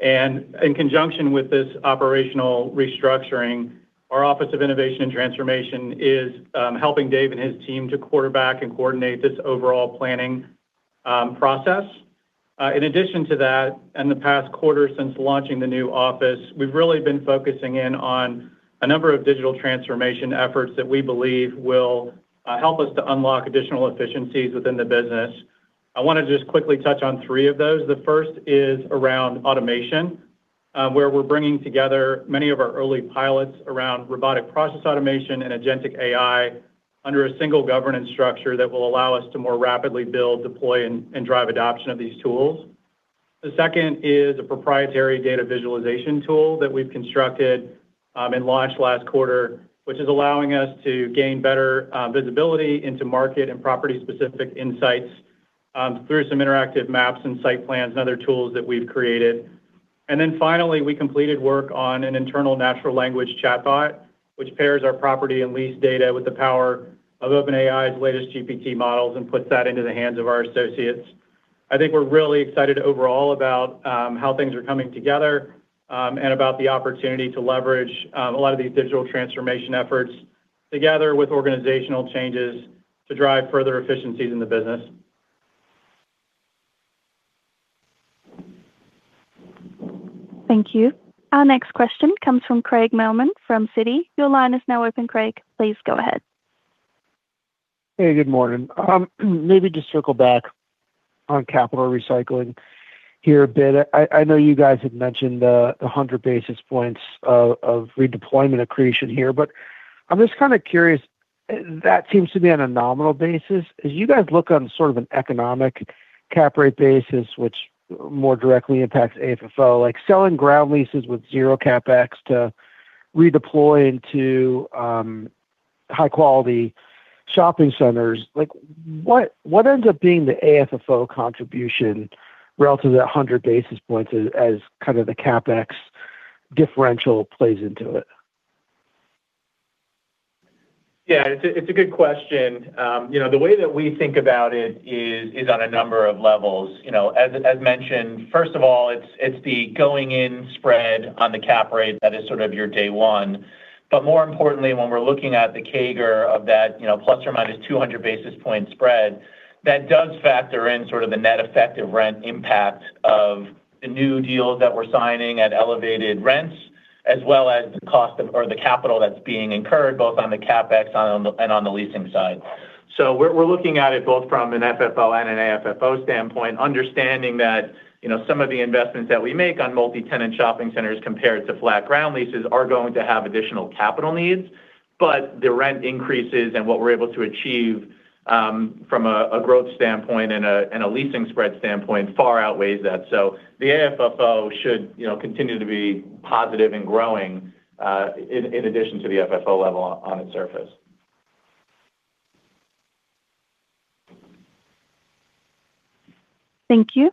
Speaker 13: And in conjunction with this operational restructuring, our Office of Innovation and Transformation is helping Dave and his team to quarterback and coordinate this overall planning process. In addition to that, in the past quarter since launching the new office, we've really been focusing in on a number of digital transformation efforts that we believe will help us to unlock additional efficiencies within the business. I want to just quickly touch on three of those. The first is around automation, where we're bringing together many of our early pilots around robotic process automation and Agentic AI under a single governance structure that will allow us to more rapidly build, deploy, and drive adoption of these tools. The second is a proprietary data visualization tool that we've constructed, and launched last quarter, which is allowing us to gain better visibility into market and property-specific insights, through some interactive maps and site plans and other tools that we've created. And then finally, we completed work on an internal natural language chatbot, which pairs our property and lease data with the power of OpenAI's latest GPT models and puts that into the hands of our associates. I think we're really excited overall about how things are coming together, and about the opportunity to leverage a lot of these digital transformation efforts together with organizational changes to drive further efficiencies in the business.
Speaker 1: Thank you. Our next question comes from Craig Mailman from Citi. Your line is now open, Craig. Please go ahead.
Speaker 14: Hey, good morning. Maybe just circle back on capital recycling here a bit. I, I know you guys have mentioned the 100 basis points of redeployment accretion here, but I'm just kind of curious, that seems to be on a nominal basis. As you guys look on sort of an economic cap rate basis, which more directly impacts AFFO, like selling ground leases with zero CapEx to redeploy into high-quality shopping centers, like, what ends up being the AFFO contribution relative to that 100 basis points as kind of the CapEx differential plays into it?
Speaker 5: Yeah, it's a good question. You know, the way that we think about it is on a number of levels. You know, as mentioned, first of all, it's the going-in spread on the cap rate that is sort of your day one. But more importantly, when we're looking at the CAGR of that, you know, plus or minus 200 basis point spread, that does factor in sort of the net effective rent impact of the new deals that we're signing at elevated rents, as well as the cost of or the capital that's being incurred, both on the CapEx and on the leasing side. So we're looking at it both from an FFO and an AFFO standpoint, understanding that, you know, some of the investments that we make on multi-tenant shopping centers compared to flat ground leases are going to have additional capital needs. But the rent increases and what we're able to achieve from a growth standpoint and a leasing spread standpoint far outweighs that. So the AFFO should, you know, continue to be positive and growing in addition to the FFO level on its surface.
Speaker 1: Thank you.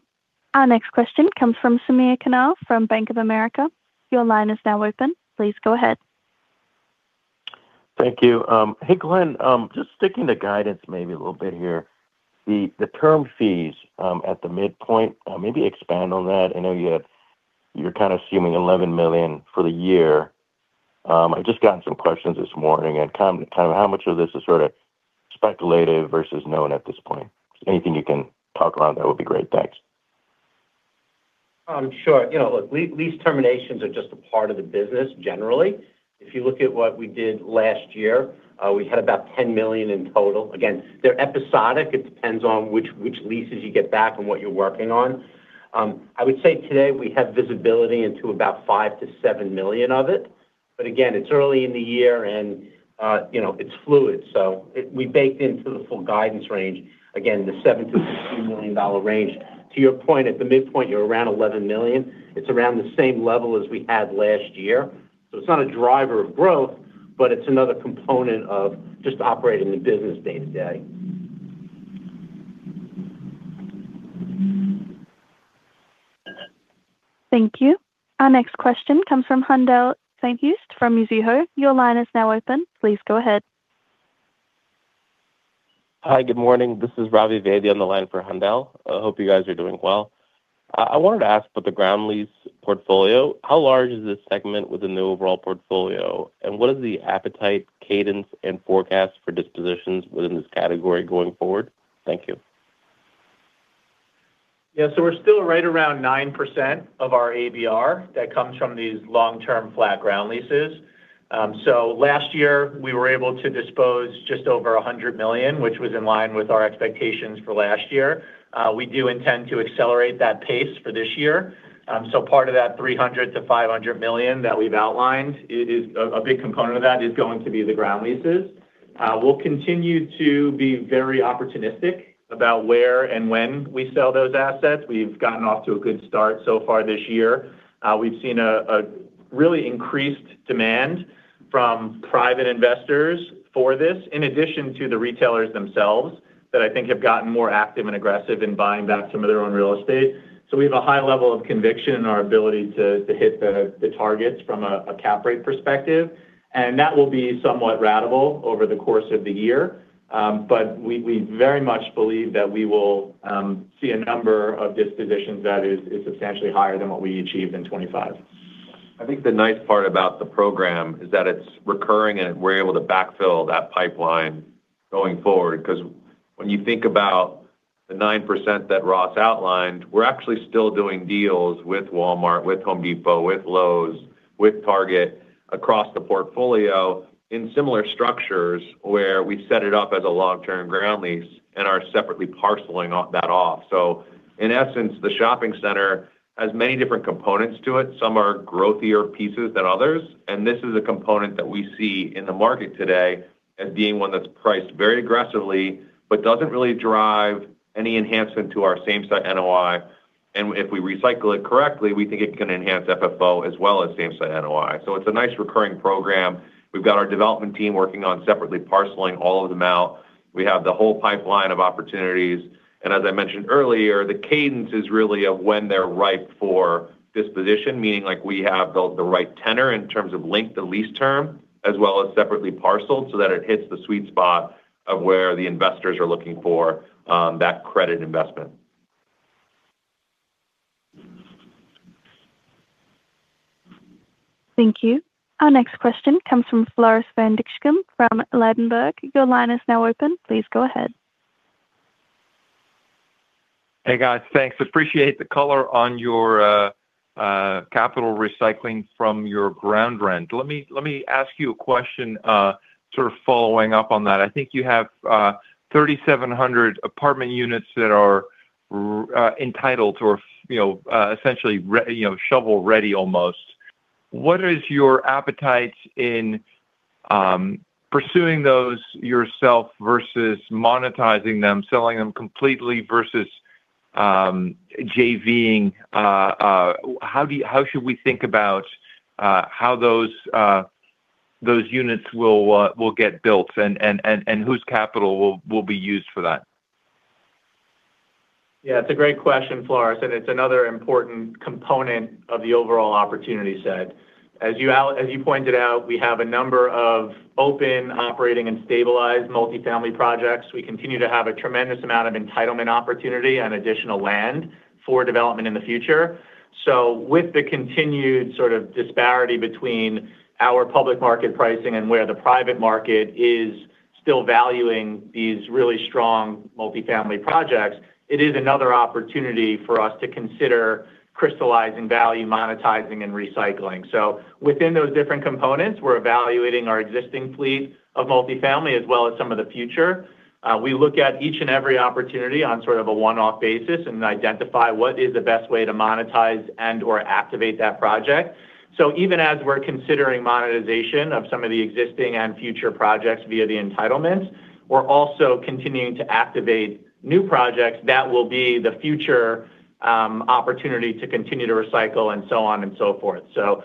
Speaker 1: Our next question comes from Samir Khanal from Bank of America. Your line is now open. Please go ahead.
Speaker 15: Thank you. Hey, Glenn, just sticking to guidance maybe a little bit here. The term fees at the midpoint, maybe expand on that. I know you have—you're kind of assuming $11 million for the year. I've just gotten some questions this morning on kind of how much of this is sort of speculative versus known at this point. Anything you can talk on, that would be great. Thanks.
Speaker 6: Sure. You know, look, lease terminations are just a part of the business generally. If you look at what we did last year, we had about $10 million in total. Again, they're episodic. It depends on which, which leases you get back and what you're working on. I would say today we have visibility into about $5 million-$7 million of it, but again, it's early in the year, and, you know, it's fluid. So we baked into the full guidance range, again, the $7 million-$10 million range. To your point, at the midpoint, you're around $11 million. It's around the same level as we had last year. So it's not a driver of growth, but it's another component of just operating the business day-to-day.
Speaker 1: Thank you. Our next question comes from Haendel St. Juste from Mizuho. Your line is now open. Please go ahead.
Speaker 16: Hi, good morning. This is Ravi Vaidya on the line for Handel. I hope you guys are doing well. I wanted to ask about the ground lease portfolio. How large is this segment within the overall portfolio? And what is the appetite, cadence, and forecast for dispositions within this category going forward? Thank you.
Speaker 5: Yeah. So we're still right around 9% of our ABR that comes from these long-term flat ground leases. So last year, we were able to dispose just over $100 million, which was in line with our expectations for last year. We do intend to accelerate that pace for this year. So part of that $300 million-$500 million that we've outlined is a big component of that is going to be the ground leases. We'll continue to be very opportunistic about where and when we sell those assets. We've gotten off to a good start so far this year. We've seen a really increased demand from private investors for this, in addition to the retailers themselves, that I think have gotten more active and aggressive in buying back some of their own real estate. So we have a high level of conviction in our ability to hit the targets from a cap rate perspective, and that will be somewhat ratable over the course of the year. But we very much believe that we will see a number of dispositions that is substantially higher than what we achieved in 2025.
Speaker 3: I think the nice part about the program is that it's recurring, and we're able to backfill that pipeline going forward. Because when you think about the 9% that Ross outlined, we're actually still doing deals with Walmart, with Home Depot, with Lowe's, with Target, across the portfolio in similar structures, where we set it up as a long-term ground lease and are separately parceling off that. So in essence, the shopping center has many different components to it. Some are growthier pieces than others, and this is a component that we see in the market today as being one that's priced very aggressively, but doesn't really drive any enhancement to our same-site NOI. And if we recycle it correctly, we think it can enhance FFO as well as same-site NOI. So it's a nice recurring program. We've got our development team working on separately parceling all of them out. We have the whole pipeline of opportunities, and as I mentioned earlier, the cadence is really of when they're ripe for disposition, meaning like we have built the right tenor in terms of length and lease term, as well as separately parceled, so that it hits the sweet spot of where the investors are looking for, that credit investment.
Speaker 1: Thank you. Our next question comes from Floris van Dijkum from Ladenburg. Your line is now open. Please go ahead.
Speaker 17: Hey, guys. Thanks. Appreciate the color on your capital recycling from your ground rent. Let me ask you a question, sort of following up on that. I think you have 3,700 apartment units that are entitled to or, you know, essentially shovel-ready almost. What is your appetite in pursuing those yourself versus monetizing them, selling them completely versus JV-ing? How do you, how should we think about how those units will get built and whose capital will be used for that?
Speaker 5: Yeah, it's a great question, Floris, and it's another important component of the overall opportunity set. As you pointed out, we have a number of open, operating, and stabilized multifamily projects. We continue to have a tremendous amount of entitlement opportunity and additional land for development in the future. So with the continued sort of disparity between our public market pricing and where the private market is still valuing these really strong multifamily projects, it is another opportunity for us to consider crystallizing value, monetizing, and recycling. So within those different components, we're evaluating our existing fleet of multifamily as well as some of the future. We look at each and every opportunity on sort of a one-off basis and identify what is the best way to monetize and/or activate that project. So even as we're considering monetization of some of the existing and future projects via the entitlements, we're also continuing to activate new projects that will be the future opportunity to continue to recycle and so on and so forth. So,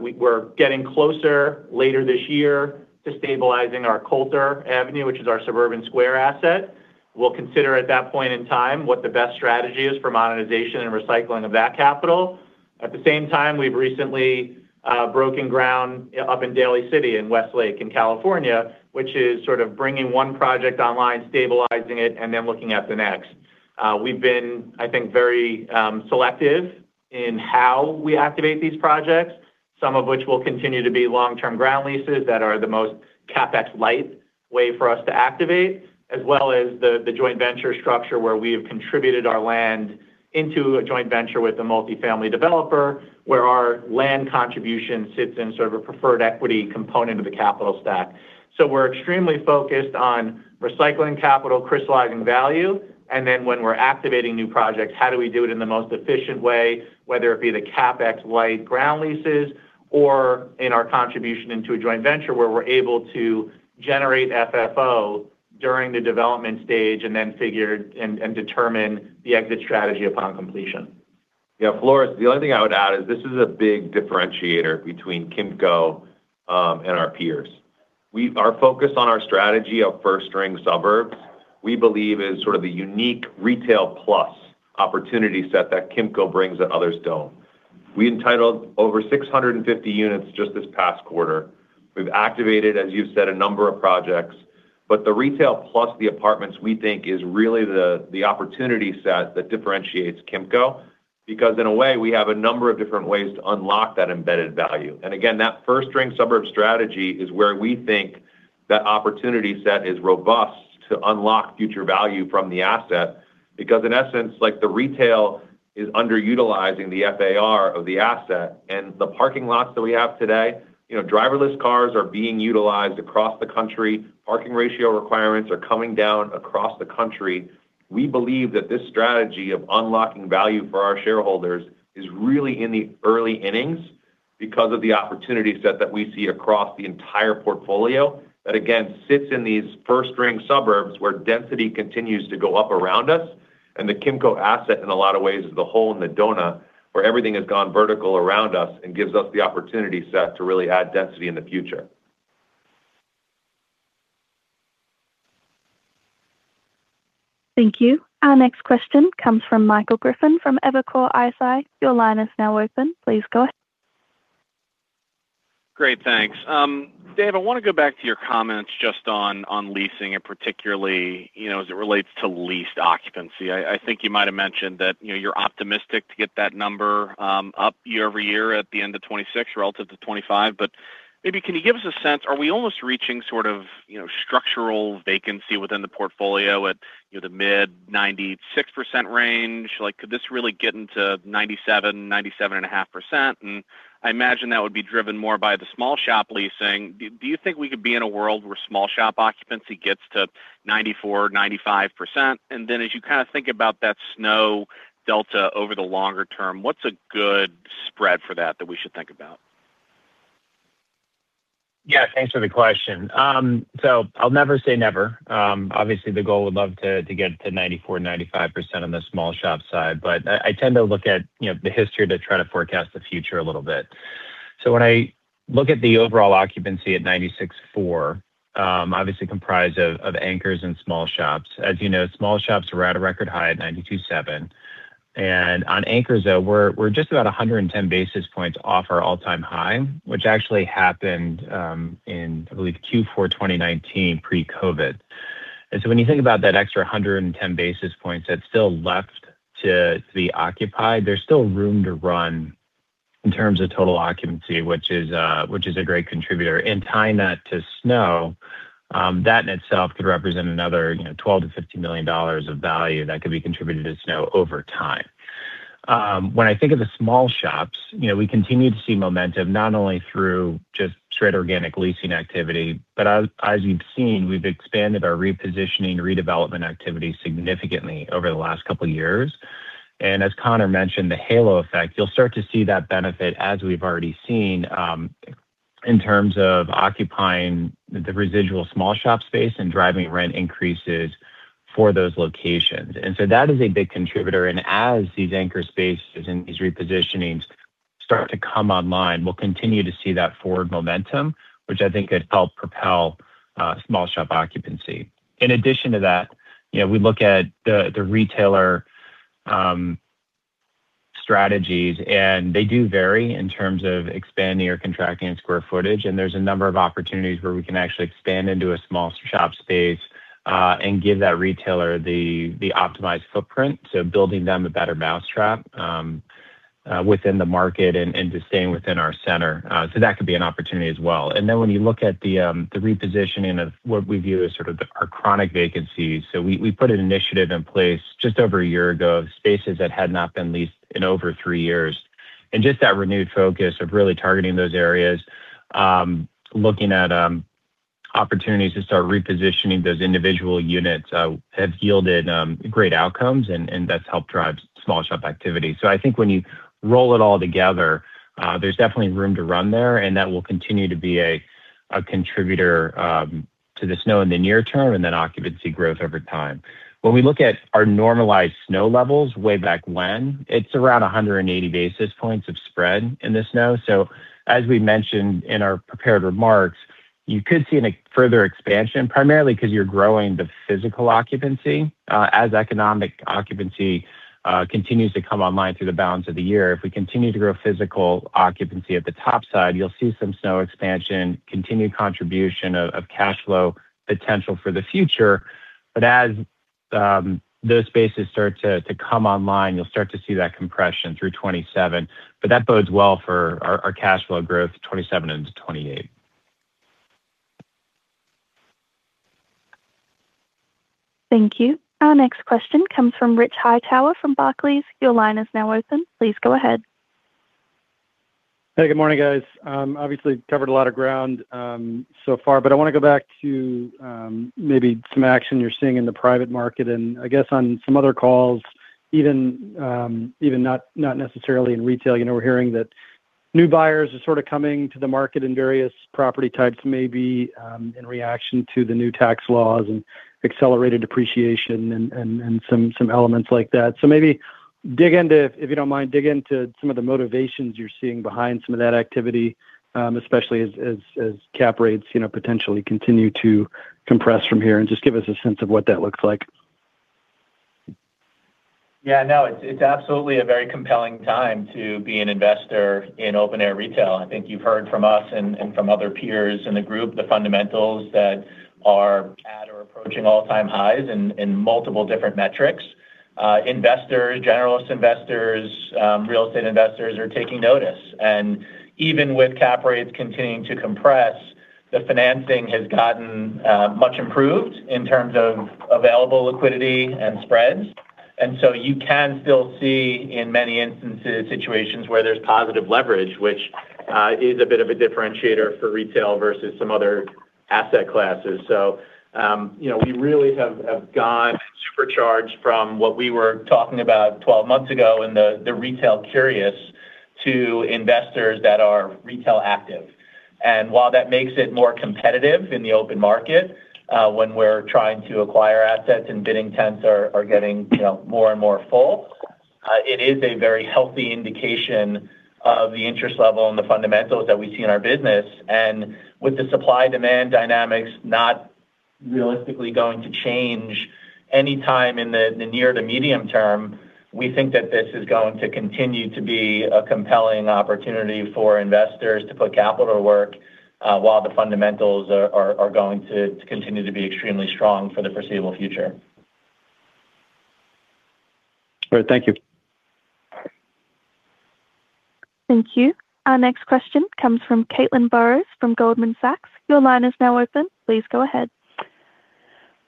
Speaker 5: we're getting closer later this year to stabilizing our Coulter Avenue, which is our Suburban Square asset. We'll consider at that point in time what the best strategy is for monetization and recycling of that capital. At the same time, we've recently broken ground up in Daly City, in Westlake, in California, which is sort of bringing one project online, stabilizing it, and then looking at the next. We've been, I think, very selective in how we activate these projects, some of which will continue to be long-term ground leases that are the most CapEx-light way for us to activate, as well as the joint venture structure, where we have contributed our land into a joint venture with a multifamily developer, where our land contribution sits in sort of a preferred equity component of the capital stack. So we're extremely focused on recycling capital, crystallizing value, and then when we're activating new projects, how do we do it in the most efficient way, whether it be the CapEx-light ground leases or in our contribution into a joint venture where we're able to generate FFO during the development stage and then figure and determine the exit strategy upon completion.
Speaker 3: Yeah, Floris, the only thing I would add is this is a big differentiator between Kimco and our peers. Our focus on our strategy of first-ring suburbs, we believe, is sort of the unique retail plus opportunity set that Kimco brings that others don't. We entitled over 650 units just this past quarter. We've activated, as you've said, a number of projects, but the retail plus the apartments, we think, is really the opportunity set that differentiates Kimco, because in a way, we have a number of different ways to unlock that embedded value. And again, that first-ring suburb strategy is where we think that opportunity set is robust to unlock future value from the asset, because in essence, like, the retail is underutilizing the FAR of the asset and the parking lots that we have today. You know, driverless cars are being utilized across the country. Parking ratio requirements are coming down across the country. We believe that this strategy of unlocking value for our shareholders is really in the early innings because of the opportunity set that we see across the entire portfolio. That, again, sits in these first-ring suburbs, where density continues to go up around us, and the Kimco asset, in a lot of ways, is the hole in the donut, where everything has gone vertical around us and gives us the opportunity set to really add density in the future.
Speaker 1: Thank you. Our next question comes from Michael Griffin from Evercore ISI. Your line is now open. Please go ahead.
Speaker 18: Great, thanks. Dave, I want to go back to your comments just on leasing and particularly, you know, as it relates to leased occupancy. I think you might have mentioned that, you know, you're optimistic to get that number up year-over-year at the end of 2026 relative to 2025. But maybe can you give us a sense, are we almost reaching sort of, you know, structural vacancy within the portfolio at the mid-96% range? Like, could this really get into 97%-97.5%? And I imagine that would be driven more by the small shop leasing. Do you think we could be in a world where small shop occupancy gets to 94%-95%? As you kind of think about that NOI delta over the longer term, what's a good spread for that, that we should think about?
Speaker 4: Yeah, thanks for the question. So I'll never say never. Obviously, the goal would love to, to get to 94%-95% on the small shop side, but I, I tend to look at, you know, the history to try to forecast the future a little bit. So when I look at the overall occupancy at 96.4%, obviously comprised of, of anchors and small shops. As you know, small shops are at a record high at 92.7%. And on anchors, though, we're, we're just about 110 basis points off our all-time high, which actually happened, in, I believe, Q4 2019, pre-COVID.... And so when you think about that extra 110 basis points that's still left to, to be occupied, there's still room to run in terms of total occupancy, which is, which is a great contributor. And tying that to SNO, that in itself could represent another, you know, $12 million-$15 million of value that could be contributed to SNO over time. When I think of the small shops, you know, we continue to see momentum, not only through just straight organic leasing activity, but as, as you've seen, we've expanded our repositioning, redevelopment activity significantly over the last couple of years. And as Conor mentioned, the halo effect, you'll start to see that benefit as we've already seen, in terms of occupying the residual small shop space and driving rent increases for those locations. That is a big contributor, and as these anchor spaces and these repositionings start to come online, we'll continue to see that forward momentum, which I think could help propel small shop occupancy. In addition to that, you know, we look at the retailer strategies, and they do vary in terms of expanding or contracting square footage, and there's a number of opportunities where we can actually expand into a small shop space and give that retailer the optimized footprint, so building them a better mousetrap within the market and to staying within our center. So that could be an opportunity as well. Then when you look at the repositioning of what we view as sort of our chronic vacancies. So we put an initiative in place just over a year ago of spaces that had not been leased in over three years. And just that renewed focus of really targeting those areas, looking at opportunities to start repositioning those individual units, have yielded great outcomes, and that's helped drive small shop activity. So I think when you roll it all together, there's definitely room to run there, and that will continue to be a contributor to the SNO in the near term and then occupancy growth over time. When we look at our normalized SNO levels way back when, it's around 100 basis points of spread in the SNO. So as we mentioned in our prepared remarks, you could see further expansion, primarily 'cause you're growing the physical occupancy. As economic occupancy continues to come online through the balance of the year, if we continue to grow physical occupancy at the top side, you'll see some NOI expansion, continued contribution of cash flow potential for the future. But as those spaces start to come online, you'll start to see that compression through 2027. But that bodes well for our cash flow growth, 2027 into 2028.
Speaker 1: Thank you. Our next question comes from Rich Hightower, from Barclays. Your line is now open. Please go ahead.
Speaker 19: Hey, good morning, guys. Obviously, covered a lot of ground so far, but I wanna go back to maybe some action you're seeing in the private market. I guess on some other calls, even, even not, not necessarily in retail, you know, we're hearing that new buyers are sort of coming to the market in various property types, maybe, in reaction to the new tax laws and accelerated depreciation and, and, and some, some elements like that. Maybe dig into, if you don't mind, dig into some of the motivations you're seeing behind some of that activity, especially as, as, as cap rates, you know, potentially continue to compress from here, and just give us a sense of what that looks like.
Speaker 5: Yeah, no, it's absolutely a very compelling time to be an investor in open-air retail. I think you've heard from us and from other peers in the group, the fundamentals that are at or approaching all-time highs in multiple different metrics. Investors, generalist investors, real estate investors are taking notice. And even with cap rates continuing to compress, the financing has gotten much improved in terms of available liquidity and spreads. And so you can still see, in many instances, situations where there's positive leverage, which is a bit of a differentiator for retail versus some other asset classes. So, you know, we really have gone supercharged from what we were talking about 12 months ago and the retail curious to investors that are retail active. And while that makes it more competitive in the open market, when we're trying to acquire assets, and bidding tents are getting, you know, more and more full, it is a very healthy indication of the interest level and the fundamentals that we see in our business. And with the supply-demand dynamics not realistically going to change any time in the near to medium term, we think that this is going to continue to be a compelling opportunity for investors to put capital to work, while the fundamentals are going to continue to be extremely strong for the foreseeable future.
Speaker 19: All right. Thank you.
Speaker 1: Thank you. Our next question comes from Caitlin Burrows from Goldman Sachs. Your line is now open. Please go ahead.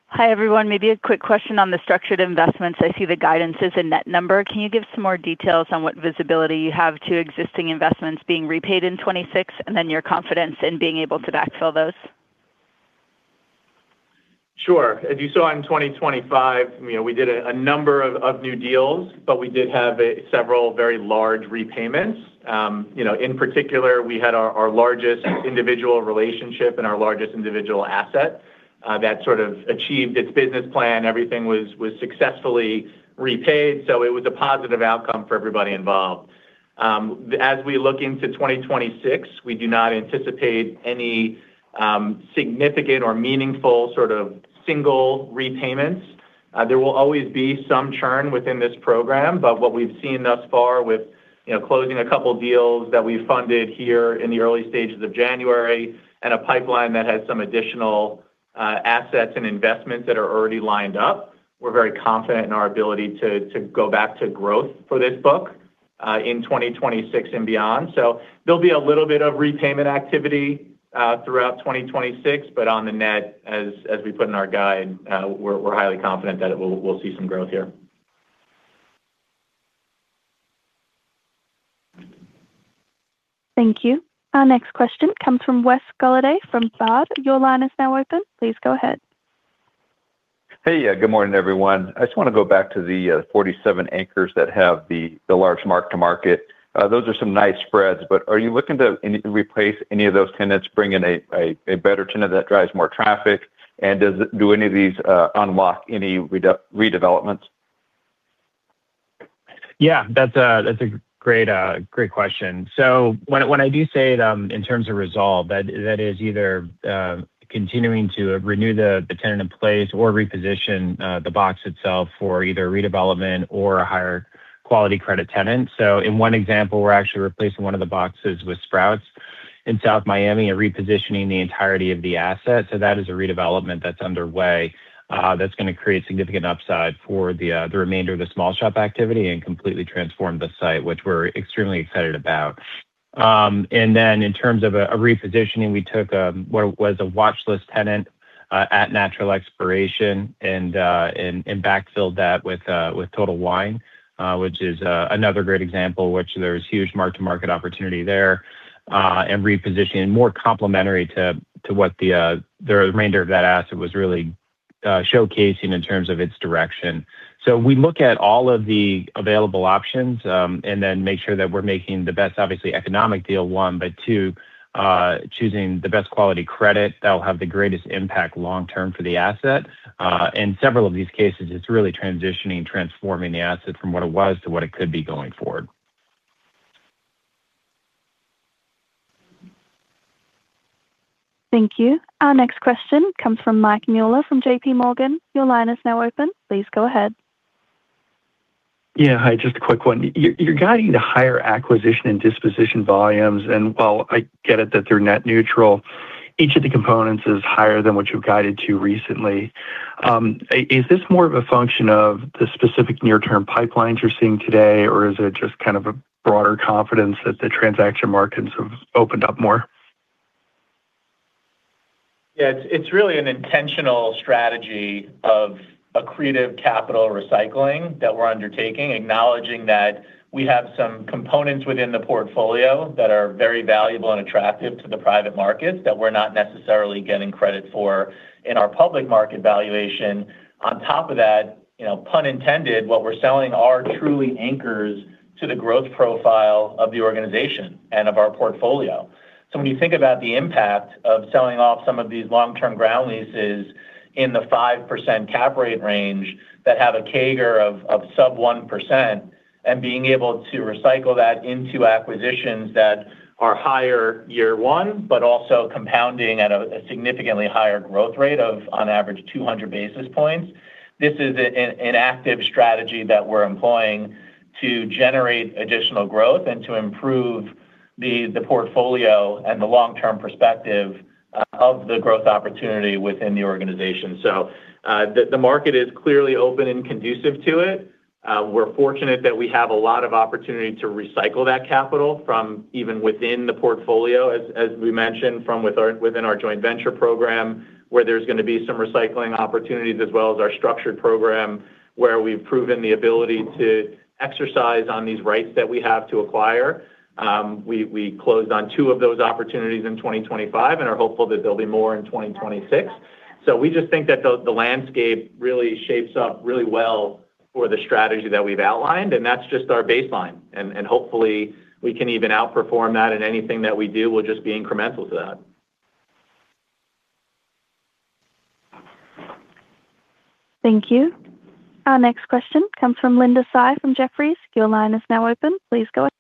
Speaker 20: Hi, everyone. Maybe a quick question on the structured investments. I see the guidance is a net number. Can you give some more details on what visibility you have to existing investments being repaid in 2026, and then your confidence in being able to backfill those?
Speaker 5: Sure. As you saw in 2025, you know, we did a number of new deals, but we did have several very large repayments. You know, in particular, we had our largest individual relationship and our largest individual asset that sort of achieved its business plan. Everything was successfully repaid, so it was a positive outcome for everybody involved. As we look into 2026, we do not anticipate any significant or meaningful sort of single repayments.... There will always be some churn within this program, but what we've seen thus far with, you know, closing a couple deals that we funded here in the early stages of January and a pipeline that has some additional assets and investments that are already lined up, we're very confident in our ability to go back to growth for this book in 2026 and beyond. So there'll be a little bit of repayment activity throughout 2026, but on the net, as we put in our guide, we're highly confident that it will, we'll see some growth here.
Speaker 1: Thank you. Our next question comes from Wes Golladay, from Baird. Your line is now open. Please go ahead.
Speaker 21: Hey, yeah, good morning, everyone. I just want to go back to the 47 anchors that have the large mark-to-market. Those are some nice spreads, but are you looking to replace any of those tenants, bring in a better tenant that drives more traffic? And does any of these unlock any redevelopments?
Speaker 5: Yeah, that's a, that's a great, great question. So when, when I do say, in terms of resolve, that, that is either, continuing to renew the, the tenant in place or reposition, the box itself for either redevelopment or a higher quality credit tenant. So in one example, we're actually replacing one of the boxes with Sprouts in South Miami and repositioning the entirety of the asset. So that is a redevelopment that's underway, that's gonna create significant upside for the, the remainder of the small shop activity and completely transform the site, which we're extremely excited about. And then in terms of a repositioning, we took what was a watchlist tenant at natural exploration and backfilled that with Total Wine, which is another great example, which there's huge Mark-to-Market opportunity there, and repositioning more complementary to what the remainder of that asset was really showcasing in terms of its direction. So we look at all of the available options and then make sure that we're making the best, obviously, economic deal, one, but two, choosing the best quality credit that will have the greatest impact long term for the asset. In several of these cases, it's really transitioning, transforming the asset from what it was to what it could be going forward.
Speaker 1: Thank you. Our next question comes from Mike Mueller from JPMorgan. Your line is now open. Please go ahead.
Speaker 22: Yeah. Hi, just a quick one. You're guiding to higher acquisition and disposition volumes, and while I get it that they're net neutral, each of the components is higher than what you've guided to recently. Is this more of a function of the specific near-term pipelines you're seeing today, or is it just kind of a broader confidence that the transaction markets have opened up more?
Speaker 5: Yeah, it's really an intentional strategy of accretive capital recycling that we're undertaking, acknowledging that we have some components within the portfolio that are very valuable and attractive to the private markets that we're not necessarily getting credit for in our public market valuation. On top of that, you know, pun intended, what we're selling are truly anchors to the growth profile of the organization and of our portfolio. So when you think about the impact of selling off some of these long-term ground leases in the 5% cap rate range that have a CAGR of sub 1%, and being able to recycle that into acquisitions that are higher year one, but also compounding at a significantly higher growth rate of, on average, 200 basis points, this is an active strategy that we're employing to generate additional growth and to improve the portfolio and the long-term perspective of the growth opportunity within the organization. So the market is clearly open and conducive to it. We're fortunate that we have a lot of opportunity to recycle that capital from even within the portfolio, as we mentioned, from within our joint venture program, where there's gonna be some recycling opportunities, as well as our structured program, where we've proven the ability to exercise on these rights that we have to acquire. We closed on two of those opportunities in 2025 and are hopeful that there'll be more in 2026. So we just think that the landscape really shapes up really well for the strategy that we've outlined, and that's just our baseline. And hopefully, we can even outperform that, and anything that we do will just be incremental to that.
Speaker 1: Thank you. Our next question comes from Linda Tsai from Jefferies. Your line is now open. Please go ahead.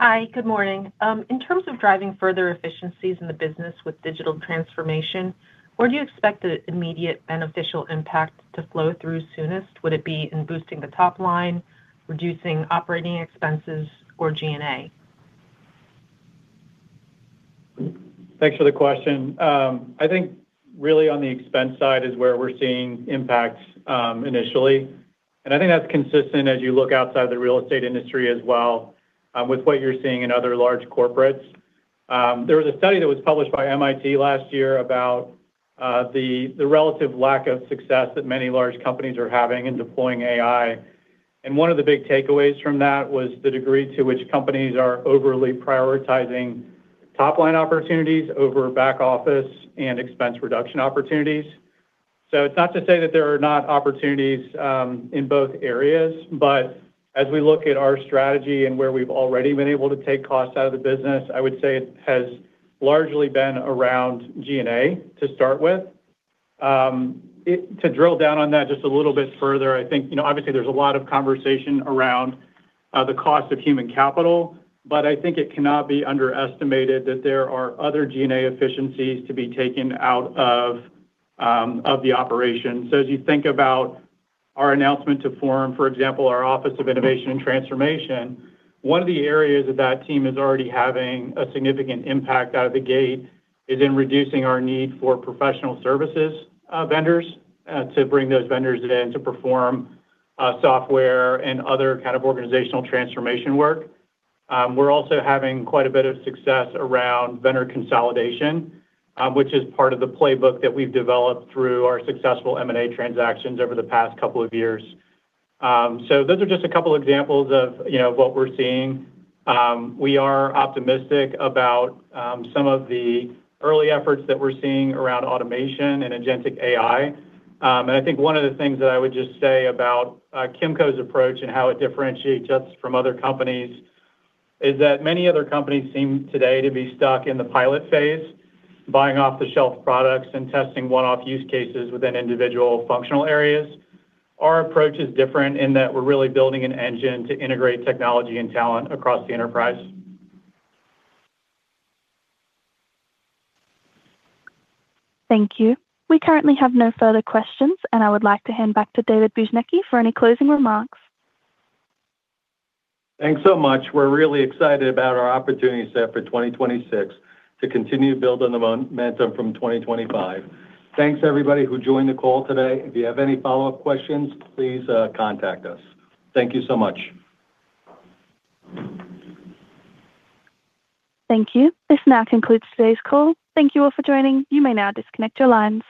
Speaker 23: Hi, good morning. In terms of driving further efficiencies in the business with digital transformation, where do you expect the immediate beneficial impact to flow through soonest? Would it be in boosting the top line, reducing operating expenses, or G&A?
Speaker 13: Thanks for the question. I think really on the expense side is where we're seeing impacts, initially, and I think that's consistent as you look outside the real estate industry as well, with what you're seeing in other large corporates. There was a study that was published by MIT last year about the relative lack of success that many large companies are having in deploying AI, and one of the big takeaways from that was the degree to which companies are overly prioritizing top-line opportunities over back office and expense reduction opportunities. So it's not to say that there are not opportunities in both areas, but as we look at our strategy and where we've already been able to take costs out of the business, I would say it has largely been around GNA to start with. To drill down on that just a little bit further, I think, you know, obviously there's a lot of conversation around the cost of human capital, but I think it cannot be underestimated that there are other GNA efficiencies to be taken out of the operation. So as you think about our announcement to form, for example, our Office of Innovation and Transformation, one of the areas that that team is already having a significant impact out of the gate is in reducing our need for professional services vendors to bring those vendors in to perform software and other kind of organizational transformation work. We're also having quite a bit of success around vendor consolidation, which is part of the playbook that we've developed through our successful M&A transactions over the past couple of years. Those are just a couple examples of, you know, what we're seeing. We are optimistic about some of the early efforts that we're seeing around automation and Agentic AI. I think one of the things that I would just say about Kimco's approach and how it differentiates us from other companies is that many other companies seem today to be stuck in the pilot phase, buying off-the-shelf products and testing one-off use cases within individual functional areas. Our approach is different in that we're really building an engine to integrate technology and talent across the enterprise.
Speaker 1: Thank you. We currently have no further questions, and I would like to hand back to David Bujnicki for any closing remarks.
Speaker 2: Thanks so much. We're really excited about our opportunity set for 2026 to continue to build on the momentum from 2025. Thanks, everybody, who joined the call today. If you have any follow-up questions, please contact us. Thank you so much.
Speaker 1: Thank you. This now concludes today's call. Thank you all for joining. You may now disconnect your lines.